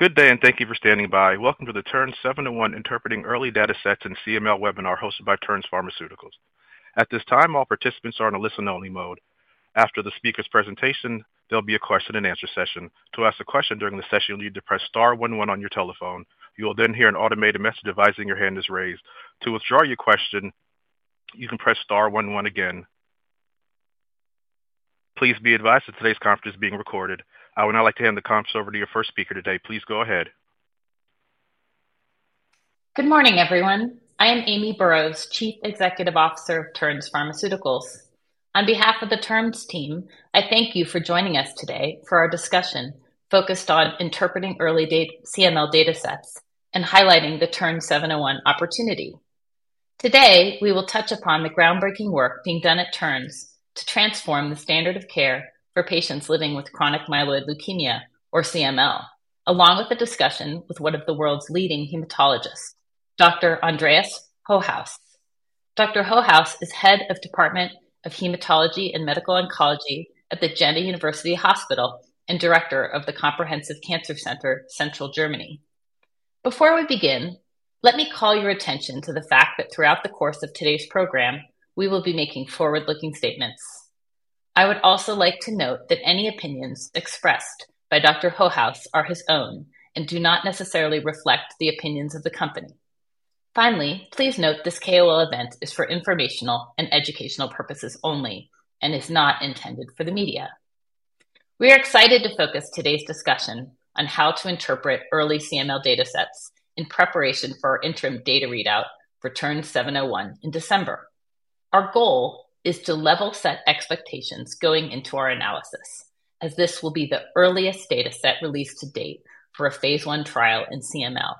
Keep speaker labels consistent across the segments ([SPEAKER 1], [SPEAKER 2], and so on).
[SPEAKER 1] Good day, and thank you for standing by. Welcome to the TERN-701 Interpreting Early Data Sets in CML webinar, hosted by Terns Pharmaceuticals. At this time, all participants are on a listen-only mode. After the speaker's presentation, there'll be a question and answer session. To ask a question during the session, you'll need to press star one one on your telephone. You will then hear an automated message advising your hand is raised. To withdraw your question, you can press star one one again. Please be advised that today's conference is being recorded. I would now like to hand the conference over to your first speaker today. Please go ahead.
[SPEAKER 2] Good morning, everyone. I am Amy Burroughs, Chief Executive Officer of Terns Pharmaceuticals. On behalf of the Terns team, I thank you for joining us today for our discussion focused on interpreting early data CML datasets and highlighting the TERN-701 opportunity. Today, we will touch upon the groundbreaking work being done at Terns to transform the standard of care for patients living with chronic myeloid leukemia or CML, along with a discussion with one of the world's leading hematologists, Dr. Andreas Hochhaus. Dr. Hochhaus is Head of Department of Hematology and Medical Oncology at the Jena University Hospital and Director of the Comprehensive Cancer Center Central Germany. Before we begin, let me call your attention to the fact that throughout the course of today's program, we will be making forward-looking statements. I would also like to note that any opinions expressed by Dr. Hochhaus are his own and do not necessarily reflect the opinions of the company. Finally, please note this KOL event is for informational and educational purposes only and is not intended for the media. We are excited to focus today's discussion on how to interpret early CML datasets in preparation for our interim data readout for TERN-701 in December. Our goal is to level set expectations going into our analysis, as this will be the earliest dataset released to date for a phase I trial in CML.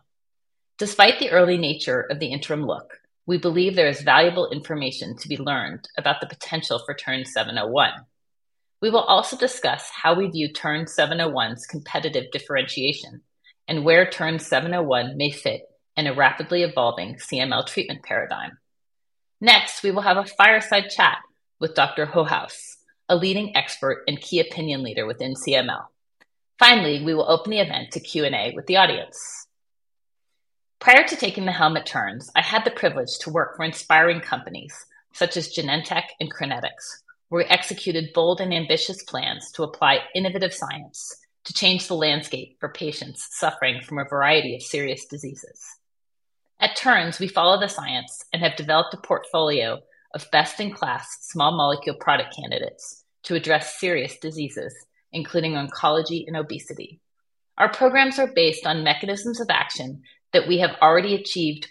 [SPEAKER 2] Despite the early nature of the interim look, we believe there is valuable information to be learned about the potential for TERN-701. We will also discuss how we view TERN-701's competitive differentiation and where TERN-701 may fit in a rapidly evolving CML treatment paradigm. Next, we will have a fireside chat with Dr. Hochhaus, a leading expert and key opinion leader within CML. Finally, we will open the event to Q&A with the audience. Prior to taking the helm at Terns, I had the privilege to work for inspiring companies such as Genentech and Connetics, where we executed bold and ambitious plans to apply innovative science to change the landscape for patients suffering from a variety of serious diseases. At Terns, we follow the science and have developed a portfolio of best-in-class small molecule product candidates to address serious diseases, including oncology and obesity. Our programs are based on mechanisms of action that have already achieved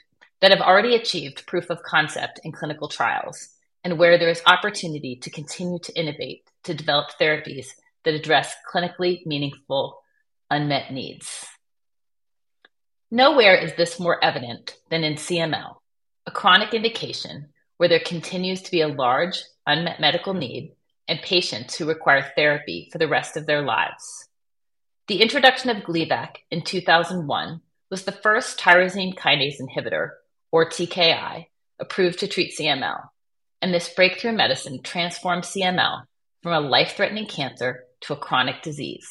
[SPEAKER 2] proof of concept in clinical trials and where there is opportunity to continue to innovate, to develop therapies that address clinically meaningful unmet needs. Nowhere is this more evident than in CML, a chronic indication where there continues to be a large unmet medical need and patients who require therapy for the rest of their lives. The introduction of Gleevec in 2001 was the first tyrosine kinase inhibitor, or TKI, approved to treat CML, and this breakthrough medicine transformed CML from a life-threatening cancer to a chronic disease.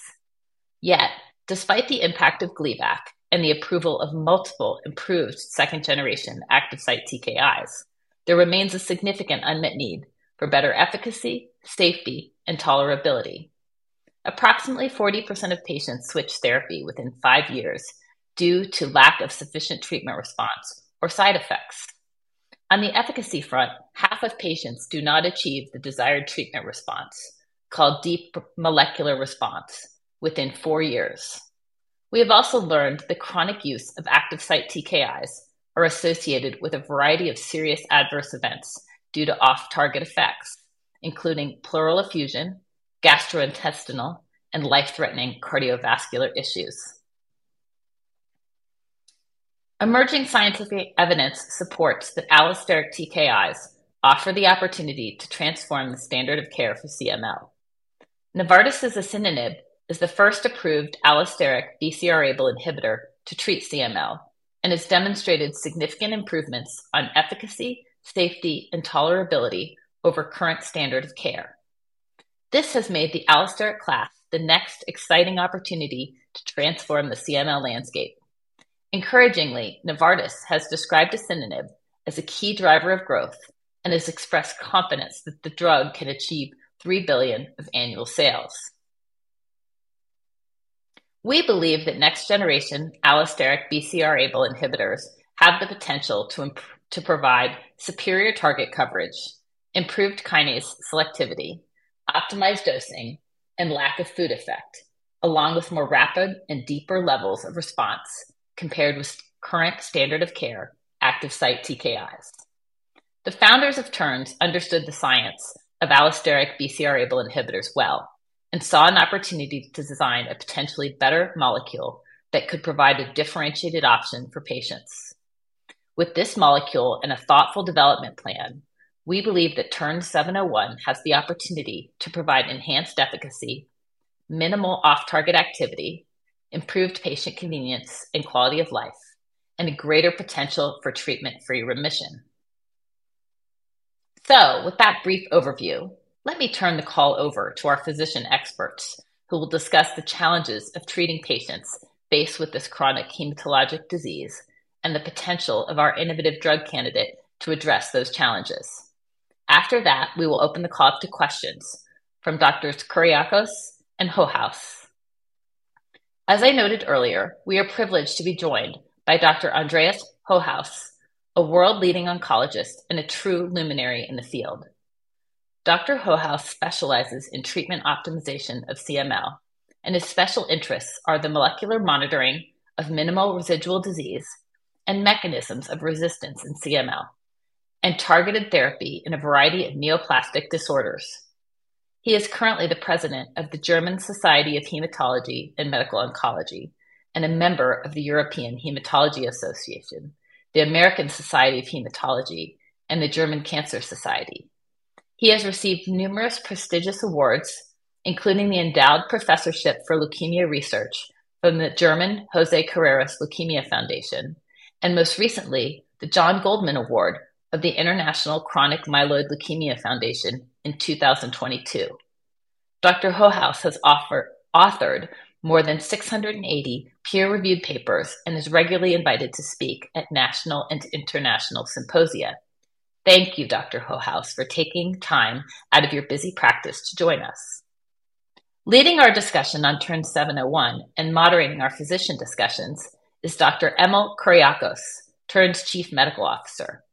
[SPEAKER 2] Yet despite the impact of Gleevec and the approval of multiple improved second-generation active site TKIs, there remains a significant unmet need for better efficacy, safety, and tolerability. Approximately 40% of patients switch therapy within five years due to lack of sufficient treatment, response, or side effects. On the efficacy front, half of patients do not achieve the desired treatment response, called deep molecular response, within four years. We have also learned the chronic use of active site TKIs are associated with a variety of serious adverse events due to off-target effects, including pleural effusion, gastrointestinal, and life-threatening cardiovascular issues. Emerging scientific evidence supports that allosteric TKIs offer the opportunity to transform the standard of care for CML. Novartis's asciminib is the first approved allosteric BCR-ABL inhibitor to treat CML and has demonstrated significant improvements on efficacy, safety, and tolerability over current standard of care. This has made the allosteric class the next exciting opportunity to transform the CML landscape. Encouragingly, Novartis has described asciminib as a key driver of growth and has expressed confidence that the drug can achieve $3 billion in annual sales. We believe that next-generation allosteric BCR-ABL inhibitors have the potential to provide superior target coverage, improved kinase selectivity, optimized dosing, and lack of food effect, along with more rapid and deeper levels of response compared with current standard of care active site TKIs. The founders of TERNS understood the science of allosteric BCR-ABL inhibitors well and saw an opportunity to design a potentially better molecule that could provide a differentiated option for patients. With this molecule and a thoughtful development plan, we believe that TERN-701 has the opportunity to provide enhanced efficacy, minimal off-target activity, improved patient convenience and quality of life, and a greater potential for treatment-free remission. So with that brief overview, let me turn the call over to our physician experts, who will discuss the challenges of treating patients faced with this chronic hematologic disease and the potential of our innovative drug candidate to address those challenges. After that, we will open the call up to questions from Doctors Kuriakose and Hochhaus. As I noted earlier, we are privileged to be joined by Dr. Andreas Hochhaus, a world-leading oncologist and a true luminary in the field. Dr. Hochhaus specializes in treatment optimization of CML, and his special interests are the molecular monitoring of minimal residual disease and mechanisms of resistance in CML, and targeted therapy in a variety of neoplastic disorders. He is currently the president of the German Society of Hematology and Medical Oncology, and a member of the European Hematology Association, the American Society of Hematology, and the German Cancer Society. He has received numerous prestigious awards, including the Endowed Professorship for Leukemia Research from the German José Carreras Leukemia Foundation, and most recently, the John Goldman Award of the International Chronic Myeloid Leukemia Foundation in 2022. Dr. Hochhaus has authored more than 680 peer-reviewed papers and is regularly invited to speak at national and international symposia. Thank you, Dr. Hochhaus, for taking time out of your busy practice to join us. Leading our discussion on TERN-701 and moderating our physician discussions is Dr. Emil Kuriakose, Terns' Chief Medical Officer.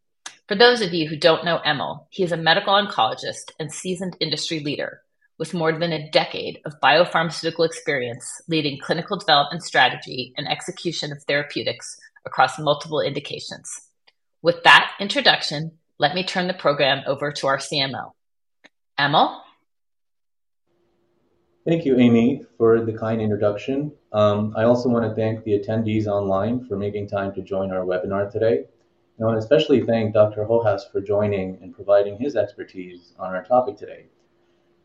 [SPEAKER 2] For those of you who don't know Emil, he is a medical oncologist and seasoned industry leader, with more than a decade of biopharmaceutical experience leading clinical development strategy and execution of therapeutics across multiple indications. With that introduction, let me turn the program over to our CMO. Emil?
[SPEAKER 3] Thank you, Amy, for the kind introduction. I also want to thank the attendees online for making time to join our webinar today. I want to especially thank Dr. Hochhaus for joining and providing his expertise on our topic today.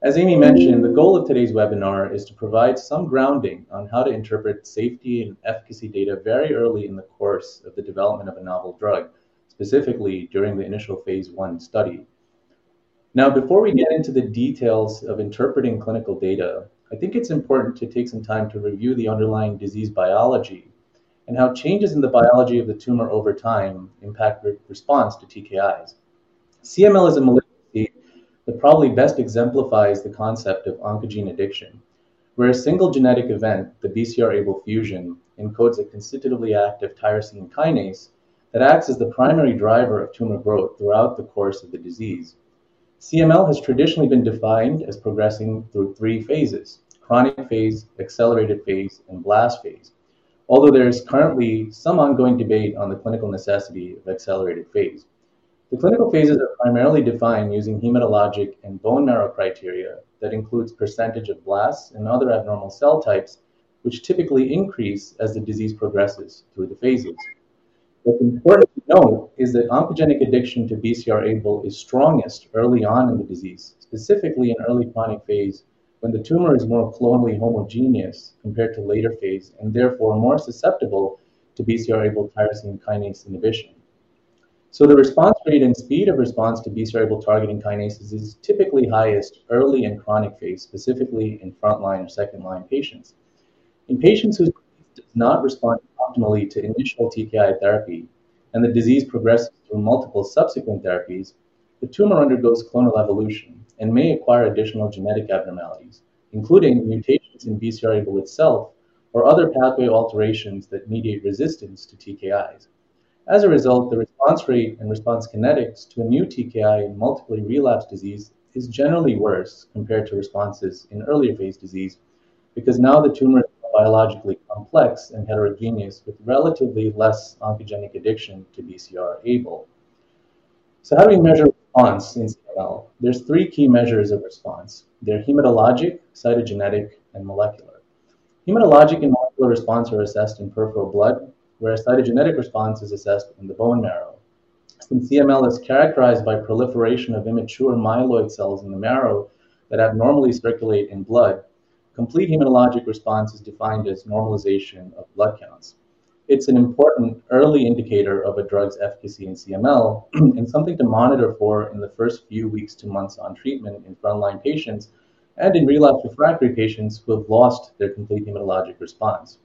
[SPEAKER 3] As Amy mentioned, the goal of today's webinar is to provide some grounding on how to interpret safety and efficacy data very early in the course of the development of a novel drug, specifically during the initial phase I study. Now, before we get into the details of interpreting clinical data, I think it's important to take some time to review the underlying disease biology and how changes in the biology of the tumor over time impact the response to TKIs.
[SPEAKER 2] CML is a malignancy that probably best exemplifies the concept of oncogene addiction, where a single genetic event, the BCR-ABL fusion, encodes a constitutively active tyrosine kinase that acts as the primary driver of tumor growth throughout the course of the disease. CML has traditionally been defined as progressing through three phases: chronic phase, accelerated phase, and blast phase. Although there is currently some ongoing debate on the clinical necessity of accelerated phase. The clinical phases are primarily defined using hematologic and bone marrow criteria that includes percentage of blasts and other abnormal cell types, which typically increase as the disease progresses through the phases. What's important to note is that oncogene addiction to BCR-ABL is strongest early on in the disease, specifically in early chronic phase, when the tumor is more clonally homogeneous compared to later phase, and therefore more susceptible to BCR-ABL tyrosine kinase inhibition. So the response rate and speed of response to BCR-ABL targeting kinases is typically highest early in chronic phase, specifically in front-line or second-line patients. In patients whose disease does not respond optimally to initial TKI therapy, and the disease progresses through multiple subsequent therapies, the tumor undergoes clonal evolution and may acquire additional genetic abnormalities, including mutations in BCR-ABL itself or other pathway alterations that mediate resistance to TKIs. As a result, the response rate and response kinetics to a new TKI in multiply-relapsed disease is generally worse compared to responses in earlier phase disease, because now the tumor is biologically complex and heterogeneous, with relatively less oncogenic addiction to BCR-ABL. So how do we measure response in CML? There's three key measures of response. They're hematologic, cytogenetic, and molecular. Hematologic and molecular response are assessed in peripheral blood, whereas cytogenetic response is assessed in the bone marrow. Since CML is characterized by proliferation of immature myeloid cells in the marrow that abnormally circulate in blood, complete hematologic response is defined as normalization of blood counts. It's an important early indicator of a drug's efficacy in CML, and something to monitor for in the first few weeks to months on treatment in front-line patients and in relapsed/refractory patients who have lost their complete hematologic response.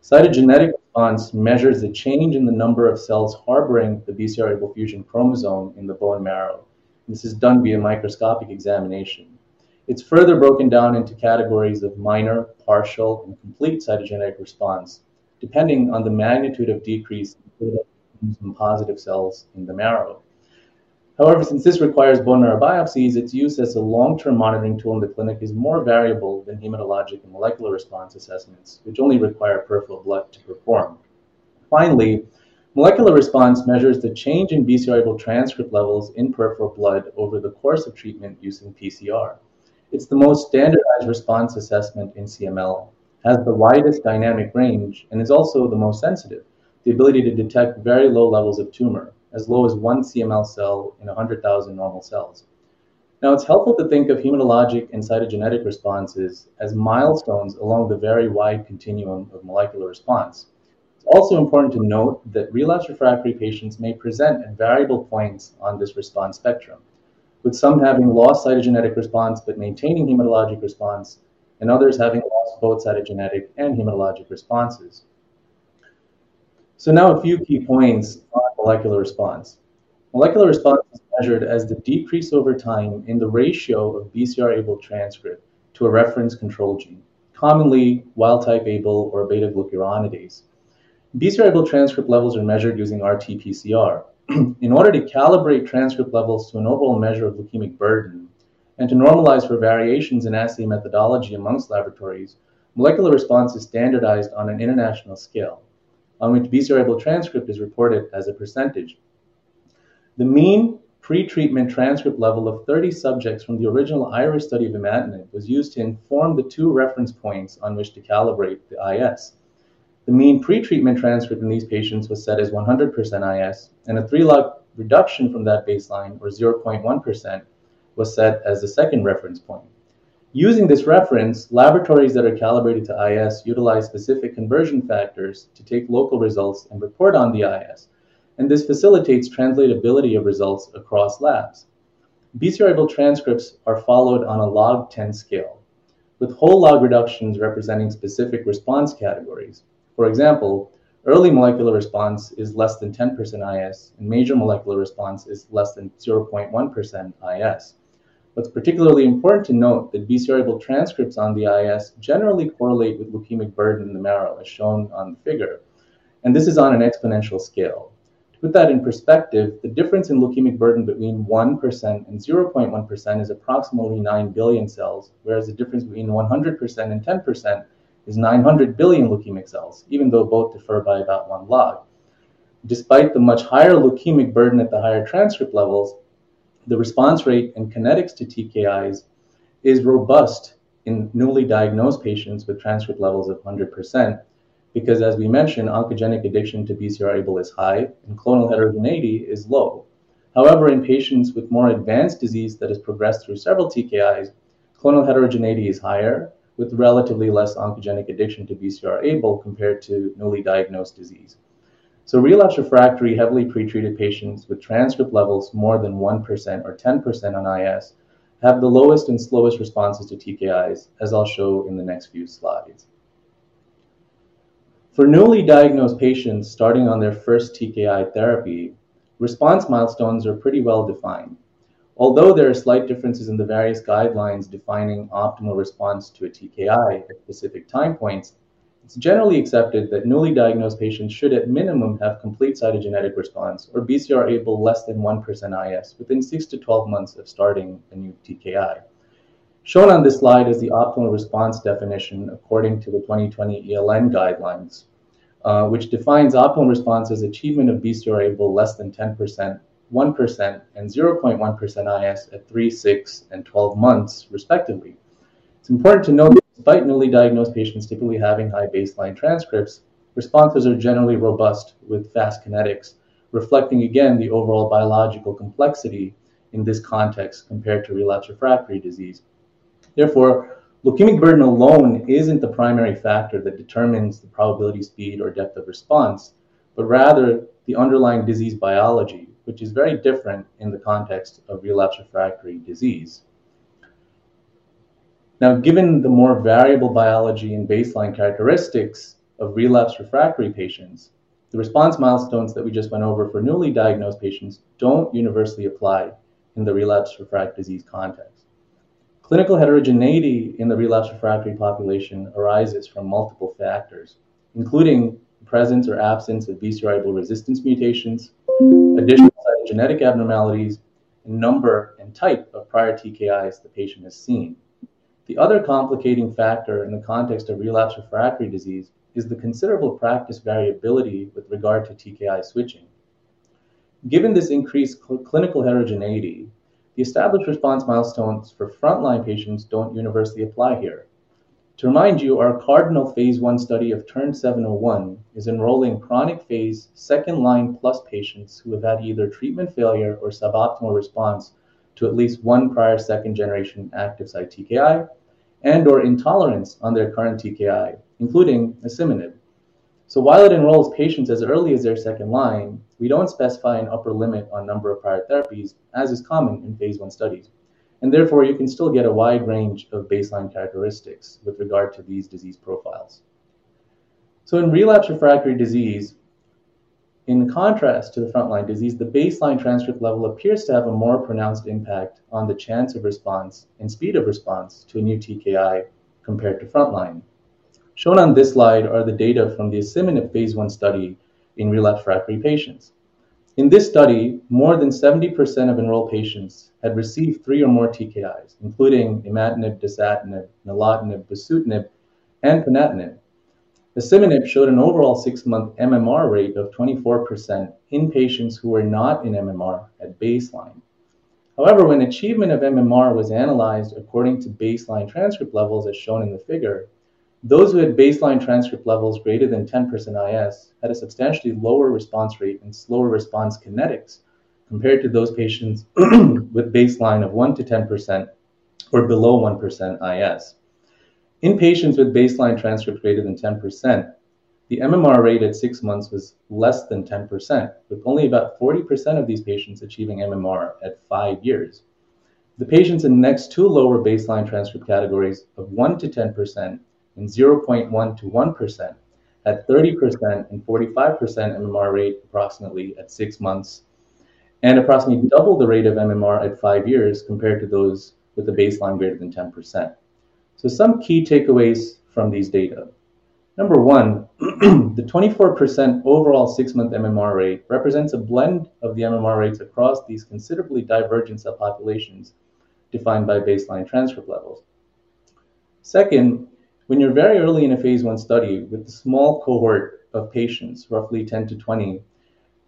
[SPEAKER 2] Cytogenetic response measures the change in the number of cells harboring the BCR-ABL fusion chromosome in the bone marrow. This is done via microscopic examination. It's further broken down into categories of minor, partial, and complete cytogenetic response, depending on the magnitude of decrease in positive cells in the marrow. However, since this requires bone marrow biopsies, its use as a long-term monitoring tool in the clinic is more variable than hematologic and molecular response assessments, which only require peripheral blood to perform. Finally, molecular response measures the change in BCR-ABL transcript levels in peripheral blood over the course of treatment using PCR. It's the most standardized response assessment in CML, has the widest dynamic range, and is also the most sensitive, the ability to detect very low levels of tumor, as low as one CML cell in a hundred thousand normal cells. Now, it's helpful to think of hematologic and cytogenetic responses as milestones along the very wide continuum of molecular response. It's also important to note that relapsed/refractory patients may present at variable points on this response spectrum, with some having lost cytogenetic response but maintaining hematologic response, and others having lost both cytogenetic and hematologic responses. So now a few key points on molecular response. Molecular response is measured as the decrease over time in the ratio of BCR-ABL transcript to a reference control gene, commonly wild-type ABL or beta-glucuronidase. BCR-ABL transcript levels are measured using RT-PCR. In order to calibrate transcript levels to an overall measure of leukemic burden and to normalize for variations in assay methodology among laboratories, molecular response is standardized on an International Scale, on which BCR-ABL transcript is reported as a percentage. The mean pretreatment transcript level of thirty subjects from the original IRIS study of imatinib was used to inform the two reference points on which to calibrate the IS. The mean pretreatment transcript in these patients was set as 100% IS, and a three-log reduction from that baseline, or 0.1%, was set as the second reference point. Using this reference, laboratories that are calibrated to IS utilize specific conversion factors to take local results and report on the IS, and this facilitates translatability of results across labs. BCR-ABL transcripts are followed on a log ten scale, with whole log reductions representing specific response categories. For example, early molecular response is less than 10% IS, and major molecular response is less than 0.1% IS. What's particularly important to note that BCR-ABL transcripts on the IS generally correlate with leukemic burden in the marrow, as shown on the figure, and this is on an exponential scale. To put that in perspective, the difference in leukemic burden between 1% and 0.1% is approximately nine billion cells, whereas the difference between 100% and 10% is nine hundred billion leukemic cells, even though both differ by about one log. Despite the much higher leukemic burden at the higher transcript levels, the response rate and kinetics to TKIs is robust in newly diagnosed patients with transcript levels of 100%, because, as we mentioned, oncogene addiction to BCR-ABL is high and clonal heterogeneity is low. However, in patients with more advanced disease that has progressed through several TKIs, clonal heterogeneity is higher, with relatively less oncogene addiction to BCR-ABL compared to newly diagnosed disease. So relapsed/refractory, heavily pretreated patients with transcript levels more than 1% or 10% on IS have the lowest and slowest responses to TKIs, as I'll show in the next few slides. For newly diagnosed patients starting on their first TKI therapy, response milestones are pretty well-defined. Although there are slight differences in the various guidelines defining optimal response to a TKI at specific time points, it's generally accepted that newly diagnosed patients should, at minimum, have complete cytogenetic response or BCR-ABL less than 1% IS within six to 12 months of starting a new TKI. Shown on this slide is the optimal response definition according to the 2020 ELN guidelines, which defines optimal response as achievement of BCR-ABL less than 10%, 1%, and 0.1% IS at 3, 6, and 12 months, respectively. It's important to note that despite newly diagnosed patients typically having high baseline transcripts, responses are generally robust with fast kinetics, reflecting again the overall biological complexity in this context compared to relapsed/refractory disease. Therefore, leukemic burden alone isn't the primary factor that determines the probability, speed, or depth of response, but rather the underlying disease biology, which is very different in the context of relapsed/refractory disease. Now, given the more variable biology and baseline characteristics of relapsed/refractory patients, the response milestones that we just went over for newly diagnosed patients don't universally apply in the relapsed/refractory disease context. Clinical heterogeneity in the relapsed/refractory population arises from multiple factors, including presence or absence of BCR-ABL resistance mutations, additional genetic abnormalities, and number and type of prior TKIs the patient has seen. The other complicating factor in the context of relapsed/refractory disease is the considerable practice variability with regard to TKI switching. Given this increased clinical heterogeneity, the established response milestones for frontline patients don't universally apply here. To remind you, our CARDINAL phase I study of TERN-701 is enrolling chronic phase, second-line-plus patients who have had either treatment failure or suboptimal response to at least one prior second-generation active site TKI and/or intolerance on their current TKI, including asciminib. While it enrolls patients as early as their second line, we don't specify an upper limit on number of prior therapies, as is common in phase I studies, and therefore, you can still get a wide range of baseline characteristics with regard to these disease profiles. In relapsed/refractory disease, in contrast to the frontline disease, the baseline transcript level appears to have a more pronounced impact on the chance of response and speed of response to a new TKI compared to frontline. Shown on this slide are the data from the asciminib phase I study in relapsed/refractory patients. In this study, more than 70% of enrolled patients had received three or more TKIs, including imatinib, dasatinib, nilotinib, bosutinib, and ponatinib. Asciminib showed an overall six-month MMR rate of 24% in patients who were not in MMR at baseline. However, when achievement of MMR was analyzed according to baseline transcript levels, as shown in the figure. Those who had baseline transcript levels greater than 10% IS, had a substantially lower response rate and slower response kinetics compared to those patients with baseline of 1 to 10% or below 1% IS. In patients with baseline transcripts greater than 10%, the MMR rate at six months was less than 10%, with only about 40% of these patients achieving MMR at five years. The patients in the next two lower baseline transcript categories of 1% to 10% and 0.1% to 1%, had 30% and 45% MMR rate approximately at six months, and approximately double the rate of MMR at five years compared to those with a baseline greater than 10%. So some key takeaways from these data. Number one, the 24% overall six-month MMR rate represents a blend of the MMR rates across these considerably divergent cell populations defined by baseline transcript levels. Second, when you're very early in a phase I study with a small cohort of patients, roughly 10-20,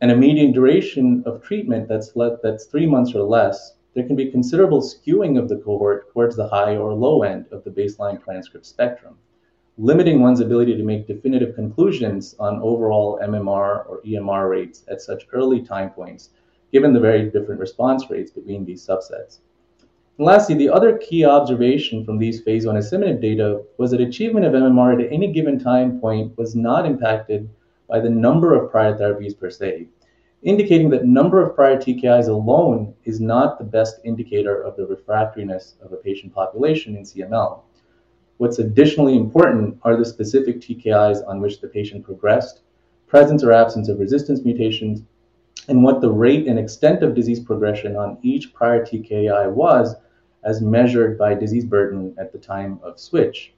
[SPEAKER 2] and a median duration of treatment that's that's 3 months or less, there can be considerable skewing of the cohort towards the high or low end of the baseline transcript spectrum, limiting one's ability to make definitive conclusions on overall MMR or EMR rates at such early time points, given the very different response rates between these subsets. Lastly, the other key observation from these phase I asciminib data was that achievement of MMR at any given time point was not impacted by the number of prior therapies per se, indicating that number of prior TKIs alone is not the best indicator of the refractoriness of a patient population in CML. What's additionally important are the specific TKIs on which the patient progressed, presence or absence of resistance mutations, and what the rate and extent of disease progression on each prior TKI was, as measured by disease burden at the time of switch.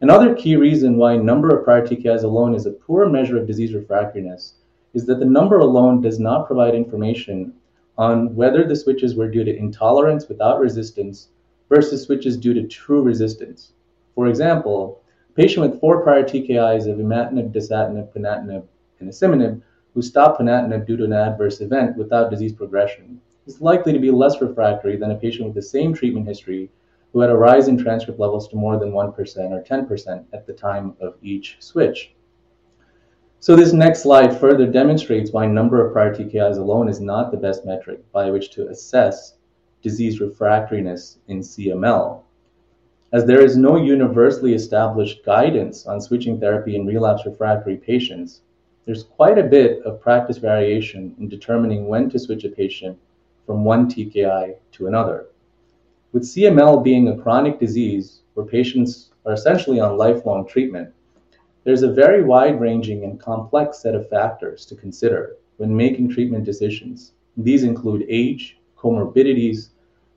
[SPEAKER 2] Another key reason why number of prior TKIs alone is a poor measure of disease refractoriness, is that the number alone does not provide information on whether the switches were due to intolerance without resistance, versus switches due to true resistance. For example, a patient with four prior TKIs of imatinib, dasatinib, ponatinib, and asciminib, who stopped ponatinib due to an adverse event without disease progression, is likely to be less refractory than a patient with the same treatment history, who had a rise in transcript levels to more than 1% or 10% at the time of each switch. So this next slide further demonstrates why number of prior TKIs alone is not the best metric by which to assess disease refractoriness in CML. As there is no universally established guidance on switching therapy in relapsed refractory patients, there's quite a bit of practice variation in determining when to switch a patient from one TKI to another. With CML being a chronic disease where patients are essentially on lifelong treatment, there's a very wide-ranging and complex set of factors to consider when making treatment decisions. These include age, comorbidities,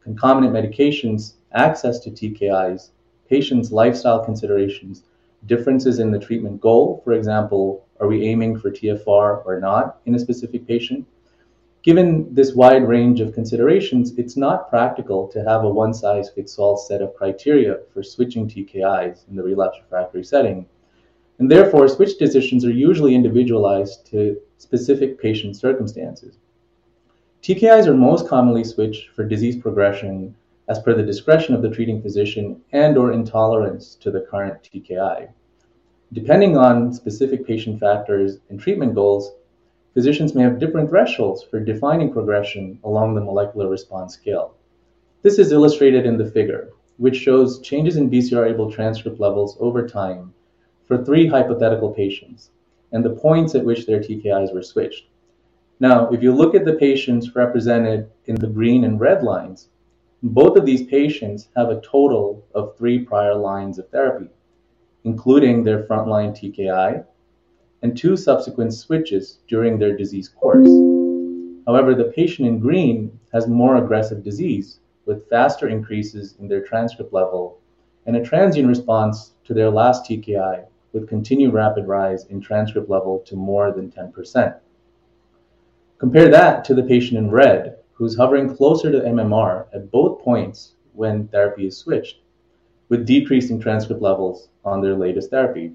[SPEAKER 2] concomitant medications, access to TKIs, patients' lifestyle considerations, differences in the treatment goal. For example, are we aiming for TFR or not in a specific patient? Given this wide range of considerations, it's not practical to have a one-size-fits-all set of criteria for switching TKIs in the relapsed refractory setting, and therefore, switch decisions are usually individualized to specific patient circumstances. TKIs are most commonly switched for disease progression as per the discretion of the treating physician and/or intolerance to the current TKI. Depending on specific patient factors and treatment goals, physicians may have different thresholds for defining progression along the molecular response scale. This is illustrated in the figure, which shows changes in BCR-ABL transcript levels over time for three hypothetical patients, and the points at which their TKIs were switched. Now, if you look at the patients represented in the green and red lines, both of these patients have a total of three prior lines of therapy, including their frontline TKI and two subsequent switches during their disease course. However, the patient in green has more aggressive disease, with faster increases in their transcript level and a transient response to their last TKI, with continued rapid rise in transcript level to more than 10%. Compare that to the patient in red, who's hovering closer to MMR at both points when therapy is switched, with decreasing transcript levels on their latest therapy.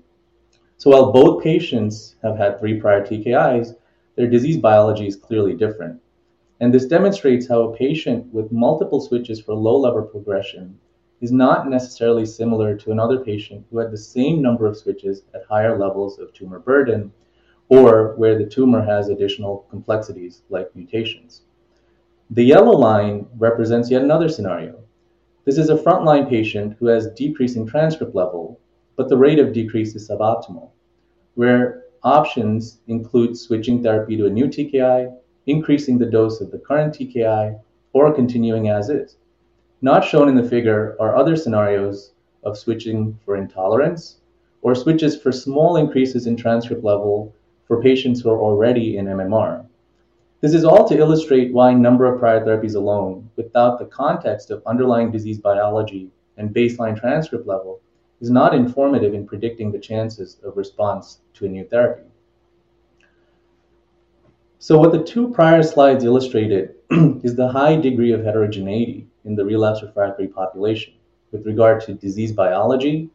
[SPEAKER 2] So while both patients have had three prior TKIs, their disease biology is clearly different. And this demonstrates how a patient with multiple switches for low-level progression is not necessarily similar to another patient who had the same number of switches at higher levels of tumor burden, or where the tumor has additional complexities like mutations. The yellow line represents yet another scenario. This is a frontline patient who has decreasing transcript level, but the rate of decrease is suboptimal, where options include switching therapy to a new TKI, increasing the dose of the current TKI, or continuing as is. Not shown in the figure are other scenarios of switching for intolerance or switches for small increases in transcript level for patients who are already in MMR. This is all to illustrate why number of prior therapies alone, without the context of underlying disease biology and baseline transcript level, is not informative in predicting the chances of response to a new therapy. So what the two prior slides illustrated, is the high degree of heterogeneity in the relapsed refractory population with regard to disease biology,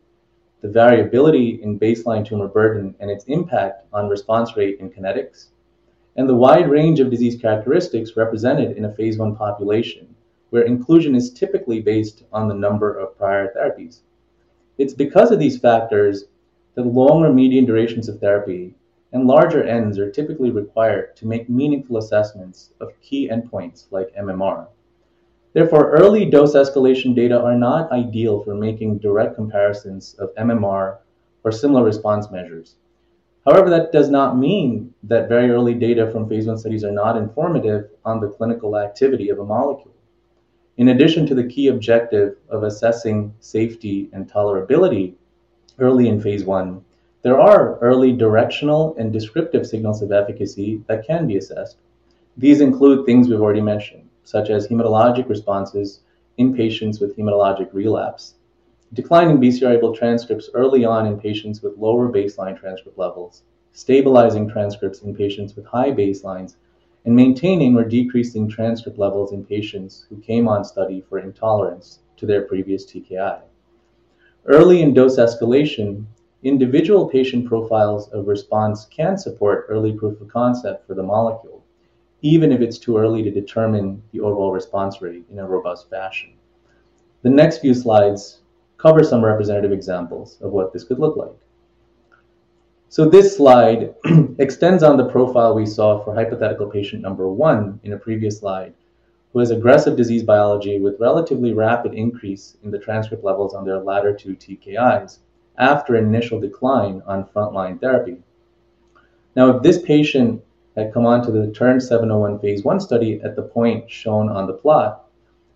[SPEAKER 2] the variability in baseline tumor burden, and its impact on response rate and kinetics.... And the wide range of disease characteristics represented in a phase I population, where inclusion is typically based on the number of prior therapies. It's because of these factors that longer median durations of therapy and larger n's are typically required to make meaningful assessments of key endpoints like MMR. Therefore, early dose escalation data are not ideal for making direct comparisons of MMR or similar response measures. However, that does not mean that very early data from phase I studies are not informative on the clinical activity of a molecule. In addition to the key objective of assessing safety and tolerability early in phase I, there are early directional and descriptive signals of efficacy that can be assessed. These include things we've already mentioned, such as hematologic responses in patients with hematologic relapse, decline in BCR-ABL transcripts early on in patients with lower baseline transcript levels, stabilizing transcripts in patients with high baselines, and maintaining or decreasing transcript levels in patients who came on study for intolerance to their previous TKI. Early in dose escalation, individual patient profiles of response can support early proof of concept for the molecule, even if it's too early to determine the overall response rate in a robust fashion. The next few slides cover some representative examples of what this could look like. So this slide extends on the profile we saw for hypothetical patient number one in a previous slide, who has aggressive disease biology with relatively rapid increase in the transcript levels on their latter two TKIs after an initial decline on frontline therapy. Now, if this patient had come on to the TERN-701 phase I study at the point shown on the plot,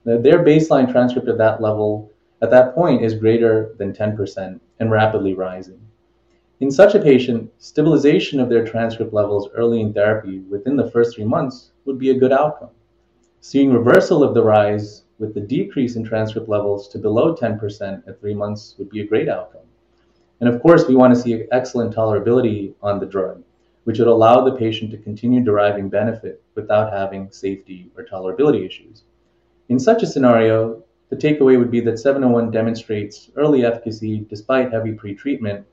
[SPEAKER 2] their baseline transcript at that level, at that point is greater than 10% and rapidly rising. In such a patient, stabilization of their transcript levels early in therapy within the first three months would be a good outcome. Seeing reversal of the rise with the decrease in transcript levels to below 10% at three months would be a great outcome. And of course, we want to see excellent tolerability on the drug, which would allow the patient to continue deriving benefit without having safety or tolerability issues. In such a scenario, the takeaway would be that 701 demonstrates early efficacy despite heavy pretreatment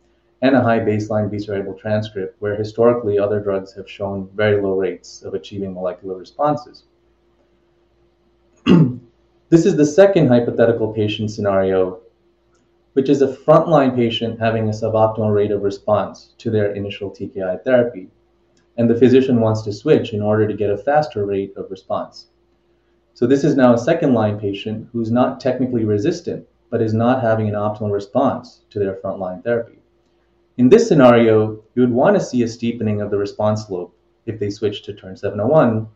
[SPEAKER 2] and a high baseline BCR-ABL transcript, where historically other drugs have shown very low rates of achieving molecular responses. This is the second hypothetical patient scenario, which is a frontline patient having a suboptimal rate of response to their initial TKI therapy, and the physician wants to switch in order to get a faster rate of response. This is now a second-line patient who's not technically resistant but is not having an optimal response to their frontline therapy. In this scenario, you would want to see a steepening of the response slope if they switch to TERN-701,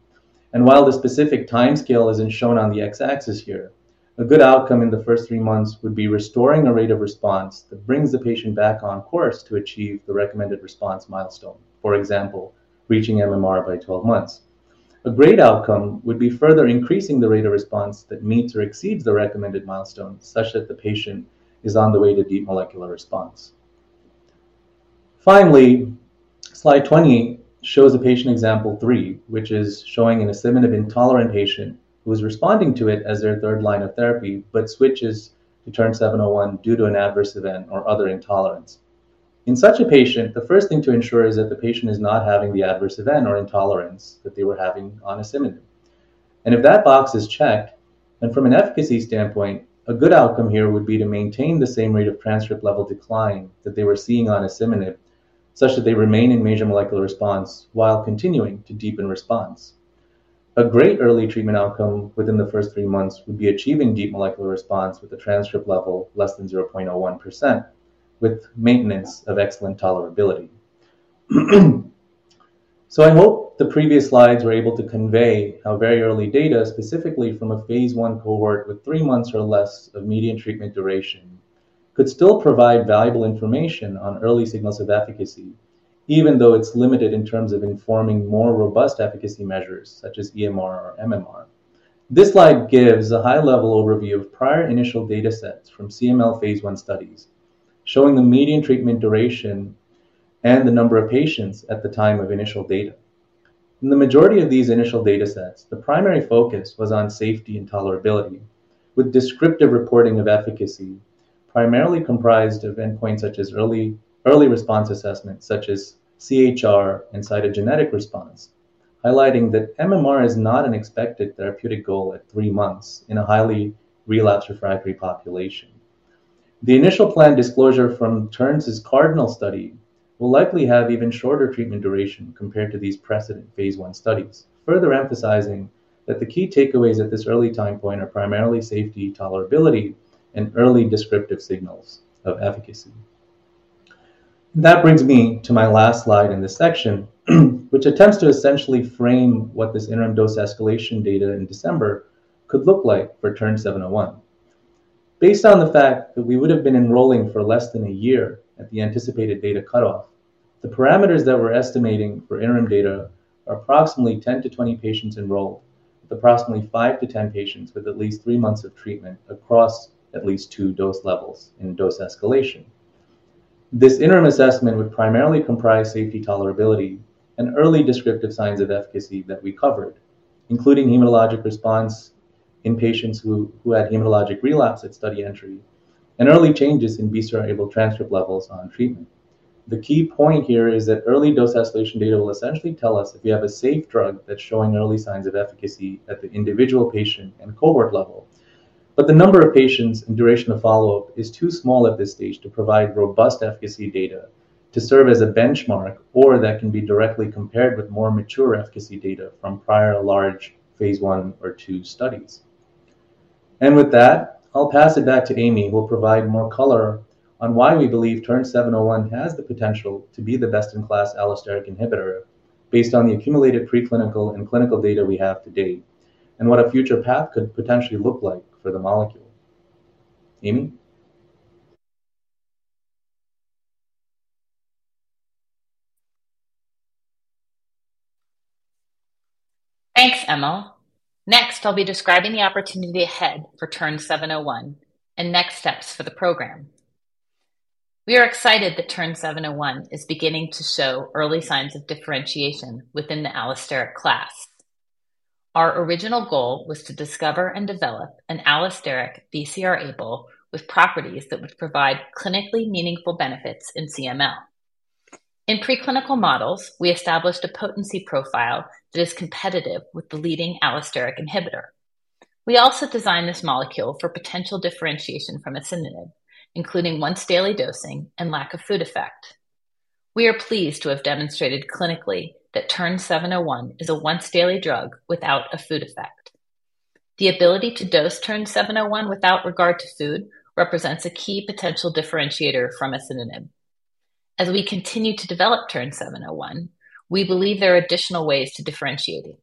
[SPEAKER 2] and while the specific timescale isn't shown on the X-axis here, a good outcome in the first three months would be restoring a rate of response that brings the patient back on course to achieve the recommended response milestone, for example, reaching MMR by twelve months. A great outcome would be further increasing the rate of response that meets or exceeds the recommended milestone, such that the patient is on the way to deep molecular response. Finally, slide 20 shows a patient example three, which is showing an asciminib intolerant patient who is responding to it as their third line of therapy but switches to TERN-701 due to an adverse event or other intolerance. In such a patient, the first thing to ensure is that the patient is not having the adverse event or intolerance that they were having on asciminib. If that box is checked, then from an efficacy standpoint, a good outcome here would be to maintain the same rate of transcript level decline that they were seeing on asciminib, such that they remain in major molecular response while continuing to deepen response. A great early treatment outcome within the first three months would be achieving deep molecular response with a transcript level less than 0.01%, with maintenance of excellent tolerability, so I hope the previous slides were able to convey how very early data, specifically from a phase I cohort with three months or less of median treatment duration, could still provide valuable information on early signals of efficacy, even though it's limited in terms of informing more robust efficacy measures such as EMR or MMR. This slide gives a high-level overview of prior initial datasets from CML phase I studies, showing the median treatment duration and the number of patients at the time of initial data. In the majority of these initial datasets, the primary focus was on safety and tolerability, with descriptive reporting of efficacy primarily comprised of endpoints such as early response assessments such as CHR and cytogenetic response, highlighting that MMR is not an expected therapeutic goal at three months in a highly relapsed refractory population. The initial planned disclosure from TERN's CARDINAL study will likely have even shorter treatment duration compared to these precedent phase I studies, further emphasizing that the key takeaways at this early time point are primarily safety, tolerability, and early descriptive signals of efficacy. That brings me to my last slide in this section, which attempts to essentially frame what this interim dose escalation data in December could look like for TERN-701. Based on the fact that we would have been enrolling for less than a year at the anticipated data cutoff, the parameters that we're estimating for interim data are approximately 10-20 patients enrolled, with approximately 5-10 patients with at least 3 months of treatment across at least 2 dose levels in dose escalation. This interim assessment would primarily comprise safety, tolerability, and early descriptive signs of efficacy that we covered, including hematologic response in patients who had hematologic relapse at study entry, and early changes in BCR-ABL transcript levels on treatment. The key point here is that early dose escalation data will essentially tell us if you have a safe drug that's showing early signs of efficacy at the individual patient and cohort level. But the number of patients and duration of follow-up is too small at this stage to provide robust efficacy data to serve as a benchmark, or that can be directly compared with more mature efficacy data from prior large phase I or II studies. And with that, I'll pass it back to Amy, who will provide more color on why we believe TERN-701 has the potential to be the best-in-class allosteric inhibitor based on the accumulated preclinical and clinical data we have to date, and what a future path could potentially look like for the molecule. Amy? Thanks, Emil. Next, I'll be describing the opportunity ahead for TERN-701 and next steps for the program. We are excited that TERN-701 is beginning to show early signs of differentiation within the allosteric class. Our original goal was to discover and develop an allosteric BCR-ABL with properties that would provide clinically meaningful benefits in CML. In preclinical models, we established a potency profile that is competitive with the leading allosteric inhibitor. We also designed this molecule for potential differentiation from asciminib, including once-daily dosing and lack of food effect. We are pleased to have demonstrated clinically that TERN-701 is a once-daily drug without a food effect. The ability to dose TERN-701 without regard to food represents a key potential differentiator from asciminib. As we continue to develop TERN-701, we believe there are additional ways to differentiate it,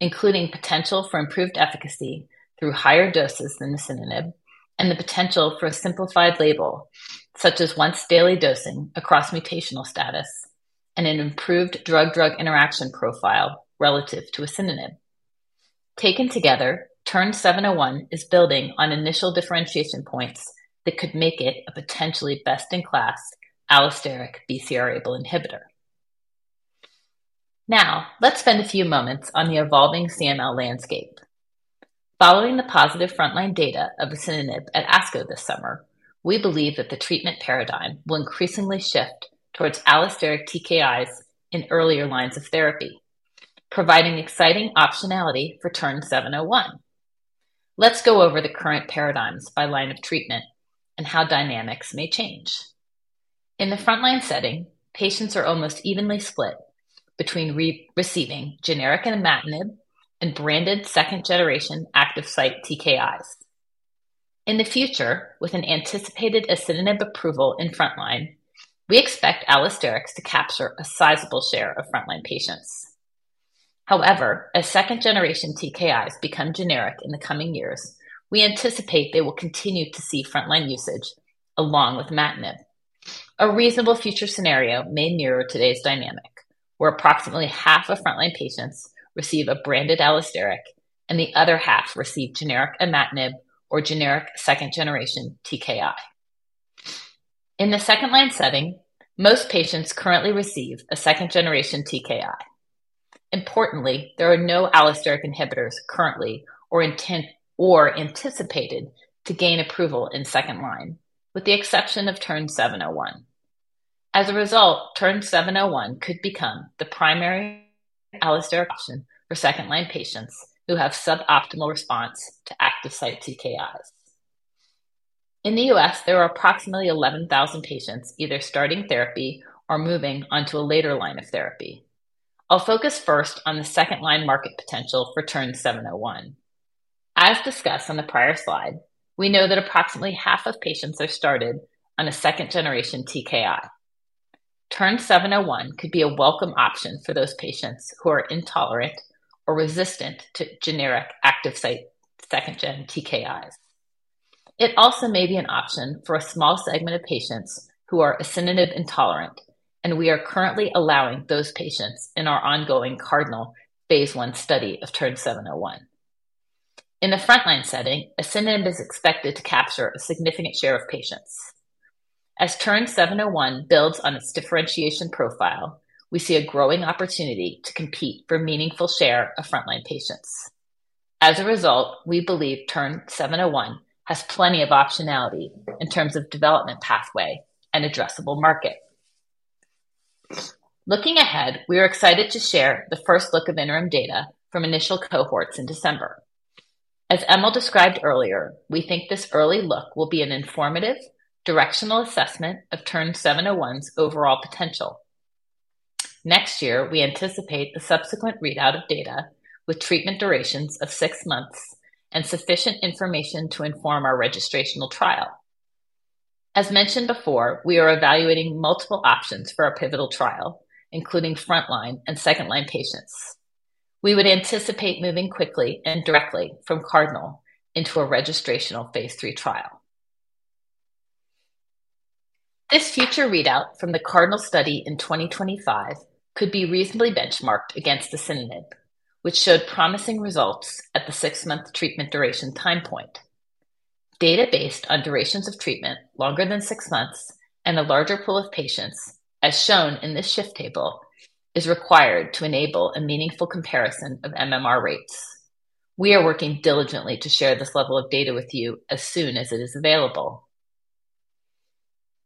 [SPEAKER 2] including potential for improved efficacy through higher doses than asciminib, and the potential for a simplified label, such as once-daily dosing across mutational status and an improved drug-drug interaction profile relative to asciminib. Taken together, TERN-701 is building on initial differentiation points that could make it a potentially best-in-class allosteric BCR-ABL inhibitor. Now, let's spend a few moments on the evolving CML landscape. Following the positive frontline data of asciminib at ASCO this summer, we believe that the treatment paradigm will increasingly shift towards allosteric TKIs in earlier lines of therapy, providing exciting optionality for TERN-701. Let's go over the current paradigms by line of treatment and how dynamics may change. In the frontline setting, patients are almost evenly split between receiving generic imatinib and branded second-generation active site TKIs. In the future, with an anticipated asciminib approval in frontline, we expect allosterics to capture a sizable share of frontline patients. However, as second-generation TKIs become generic in the coming years, we anticipate they will continue to see frontline usage along with imatinib. A reasonable future scenario may mirror today's dynamic, where approximately half of frontline patients receive a branded allosteric, and the other half receive generic imatinib or generic second-generation TKI. In the second-line setting, most patients currently receive a second-generation TKI. Importantly, there are no allosteric inhibitors currently or anticipated to gain approval in second line, with the exception of TERN-701. As a result, TERN-701 could become the primary allosteric option for second-line patients who have suboptimal response to active site TKIs. In the U.S., there are approximately 11,000 patients either starting therapy or moving on to a later line of therapy. I'll focus first on the second-line market potential for TERN-701. As discussed on the prior slide, we know that approximately half of patients are started on a second-generation TKI. TERN-701 could be a welcome option for those patients who are intolerant or resistant to generic active site second-gen TKIs. It also may be an option for a small segment of patients who are asciminib intolerant, and we are currently allowing those patients in our ongoing CARDINAL phase I study of TERN-701. In the frontline setting, asciminib is expected to capture a significant share of patients. As TERN-701 builds on its differentiation profile, we see a growing opportunity to compete for meaningful share of frontline patients. As a result, we believe TERN-701 has plenty of optionality in terms of development, pathway, and addressable market. Looking ahead, we are excited to share the first look of interim data from initial cohorts in December. As Emil described earlier, we think this early look will be an informative, directional assessment of TERN-701's overall potential. Next year, we anticipate the subsequent readout of data with treatment durations of six months and sufficient information to inform our registrational trial. As mentioned before, we are evaluating multiple options for our pivotal trial, including frontline and second-line patients. We would anticipate moving quickly and directly from CARDINAL into a registrational phase III trial. This future readout from the CARDINAL study in 2025 could be reasonably benchmarked against asciminib, which showed promising results at the six-month treatment duration time point. Data based on durations of treatment longer than six months and a larger pool of patients, as shown in this shift table, is required to enable a meaningful comparison of MMR rates. We are working diligently to share this level of data with you as soon as it is available.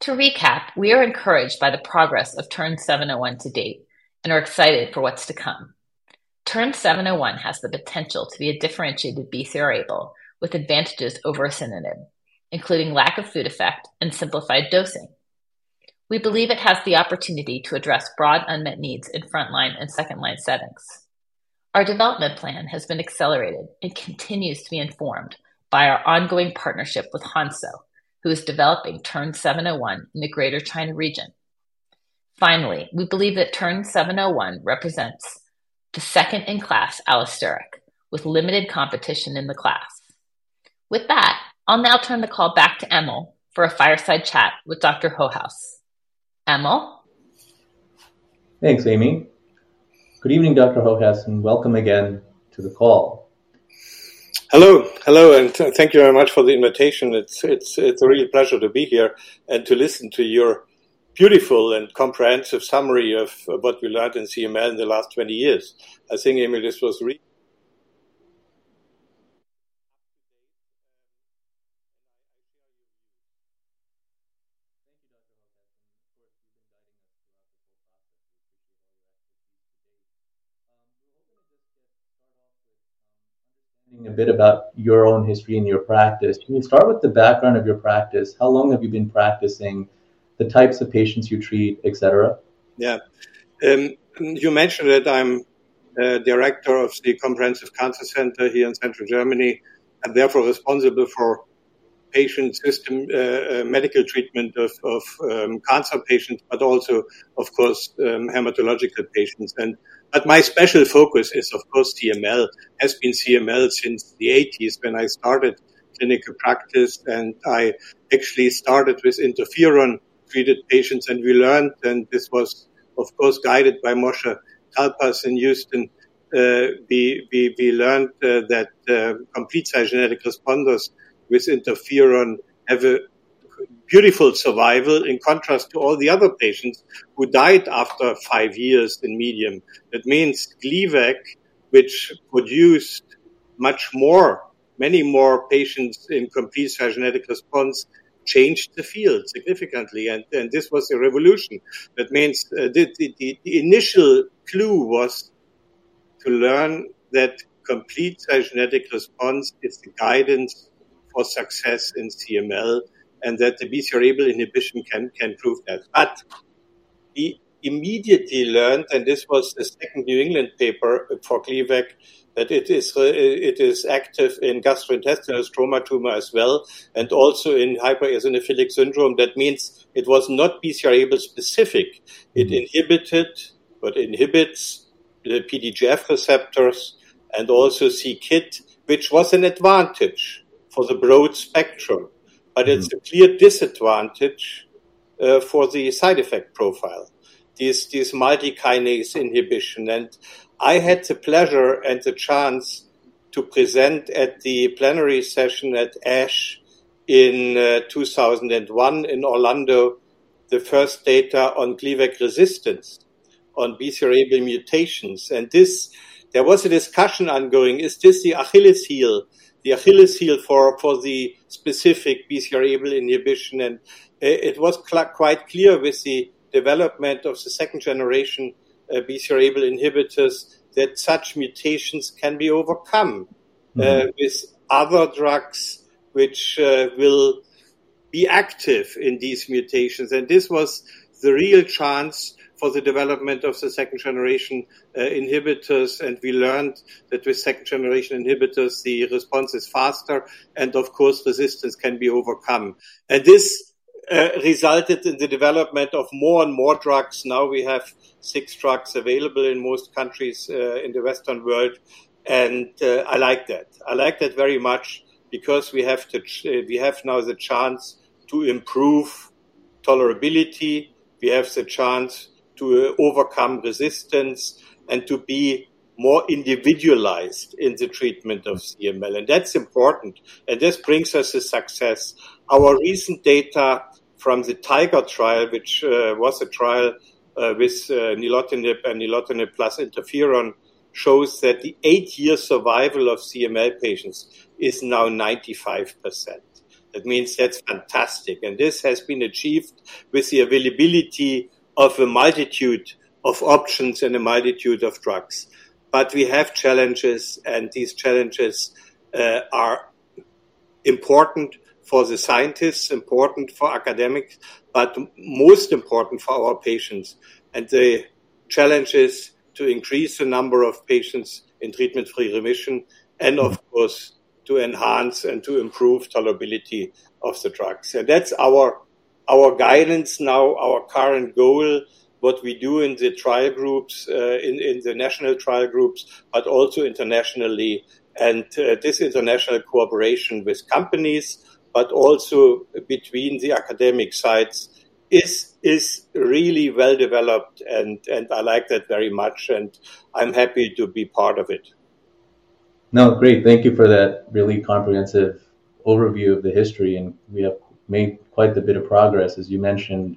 [SPEAKER 2] To recap, we are encouraged by the progress of TERN-701 to date and are excited for what's to come. TERN-701 has the potential to be a differentiated BCR-ABL, with advantages over asciminib, including lack of food effect and simplified dosing. We believe it has the opportunity to address broad unmet needs in frontline and second-line settings. Our development plan has been accelerated and continues to be informed by our ongoing partnership with Hansoh, who is developing TERN-701 in the Greater China region. Finally, we believe that TERN-701 represents the second in-class allosteric, with limited competition in the class. With that, I'll now turn the call back to Emil for a fireside chat with Dr. Hochhaus. Emil?
[SPEAKER 3] Thanks, Amy. Good evening, Dr. Hochhaus, and welcome again to the call.
[SPEAKER 4] Hello, and thank you very much for the invitation. It's a real pleasure to be here and to listen to your beautiful and comprehensive summary of what we learned in CML in the last twenty years. I think, Amy, this was re-...
[SPEAKER 3] A bit about your own history and your practice. Can you start with the background of your practice? How long have you been practicing, the types of patients you treat, et cetera?
[SPEAKER 4] Yeah. You mentioned that I'm director of the Comprehensive Cancer Center here in Central Germany, and therefore responsible for patient system, medical treatment of cancer patients, but also, of course, hematological patients. My special focus is, of course, CML. Has been CML since the eighties, when I started clinical practice, and I actually started with interferon-treated patients. We learned, and this was, of course, guided by Moshe Talpaz in Houston, that complete genetic responders with interferon have a beautiful survival, in contrast to all the other patients who died after five years in median. That means Gleevec, which produced much more, many more patients in complete genetic response, changed the field significantly, and this was a revolution.
[SPEAKER 2] That means, the initial clue was to learn that complete cytogenetic response is the guidance for success in CML, and that the BCR-ABL inhibition can prove that. But we immediately learned, and this was the second New England paper for Gleevec, that it is active in gastrointestinal stromal tumor as well, and also in hypereosinophilic syndrome. That means it was not BCR-ABL specific. It inhibited, what inhibits the PDGF receptors and also c-KIT, which was an advantage for the broad spectrum-
[SPEAKER 3] Mm-hmm.
[SPEAKER 4] But it's a clear disadvantage for the side effect profile, this multi-kinase inhibition. I had the pleasure and the chance to present at the plenary session at ASH in 2001 in Orlando, the first data on Gleevec resistance on BCR-ABL mutations. There was a discussion ongoing: Is this the Achilles heel for the specific BCR-ABL inhibition? It was quite clear with the development of the second generation BCR-ABL inhibitors, that such mutations can be overcome.
[SPEAKER 3] Mm-hmm...
[SPEAKER 4] with other drugs, which will be active in these mutations, and this was the real chance for the development of the second-generation inhibitors, and we learned that with second-generation inhibitors, the response is faster, and of course, resistance can be overcome, and this resulted in the development of more and more drugs. Now we have six drugs available in most countries in the Western world, and I like that. I like that very much because we have now the chance to improve tolerability. We have the chance to overcome resistance and to be more individualized in the treatment of CML, and that's important, and this brings us the success.
[SPEAKER 2] Our recent data from the TIGER trial, which was a trial with nilotinib and nilotinib plus interferon, shows that the eight-year survival of CML patients is now 95%. That means that's fantastic, and this has been achieved with the availability of a multitude of options and a multitude of drugs. But we have challenges, and these challenges are important for the scientists, important for academics, but most important for our patients. And the challenge is to increase the number of patients in treatment-free remission, and of course, to enhance and to improve tolerability of the drugs. So that's our guidance now, our current goal, what we do in the trial groups in the national trial groups, but also internationally. This international cooperation with companies, but also between the academic sides, is really well-developed, and I like that very much, and I'm happy to be part of it.
[SPEAKER 3] No, great. Thank you for that really comprehensive overview of the history, and we have made quite a bit of progress, as you mentioned,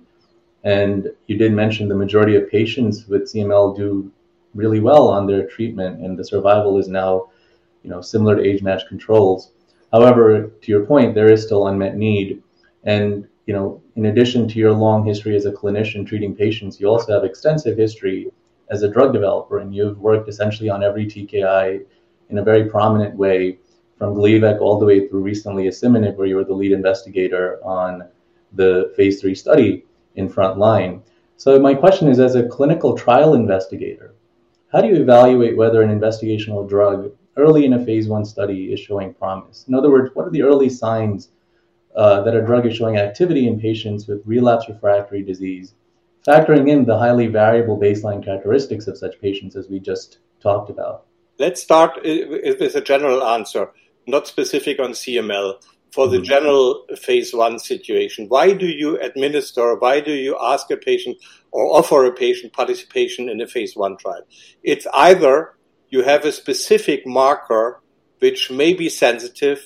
[SPEAKER 3] and you did mention the majority of patients with CML do really well on their treatment, and the survival is now, you know, similar to age-matched controls. However, to your point, there is still unmet need, and, you know, in addition to your long history as a clinician treating patients, you also have extensive history as a drug developer, and you've worked essentially on every TKI in a very prominent way, from Gleevec all the way through recently, asciminib, where you were the lead investigator on the phase III study in frontline. So my question is, as a clinical trial investigator, how do you evaluate whether an investigational drug early in a phase I study is showing promise?
[SPEAKER 2] In other words, what are the early signs that a drug is showing activity in patients with relapse refractory disease, factoring in the highly variable baseline characteristics of such patients, as we just talked about?
[SPEAKER 4] Let's start with a general answer, not specific on CML.
[SPEAKER 3] Mm-hmm.
[SPEAKER 4] For the general phase I situation, why do you administer, why do you ask a patient or offer a patient participation in a phase I trial? It's either you have a specific marker which may be sensitive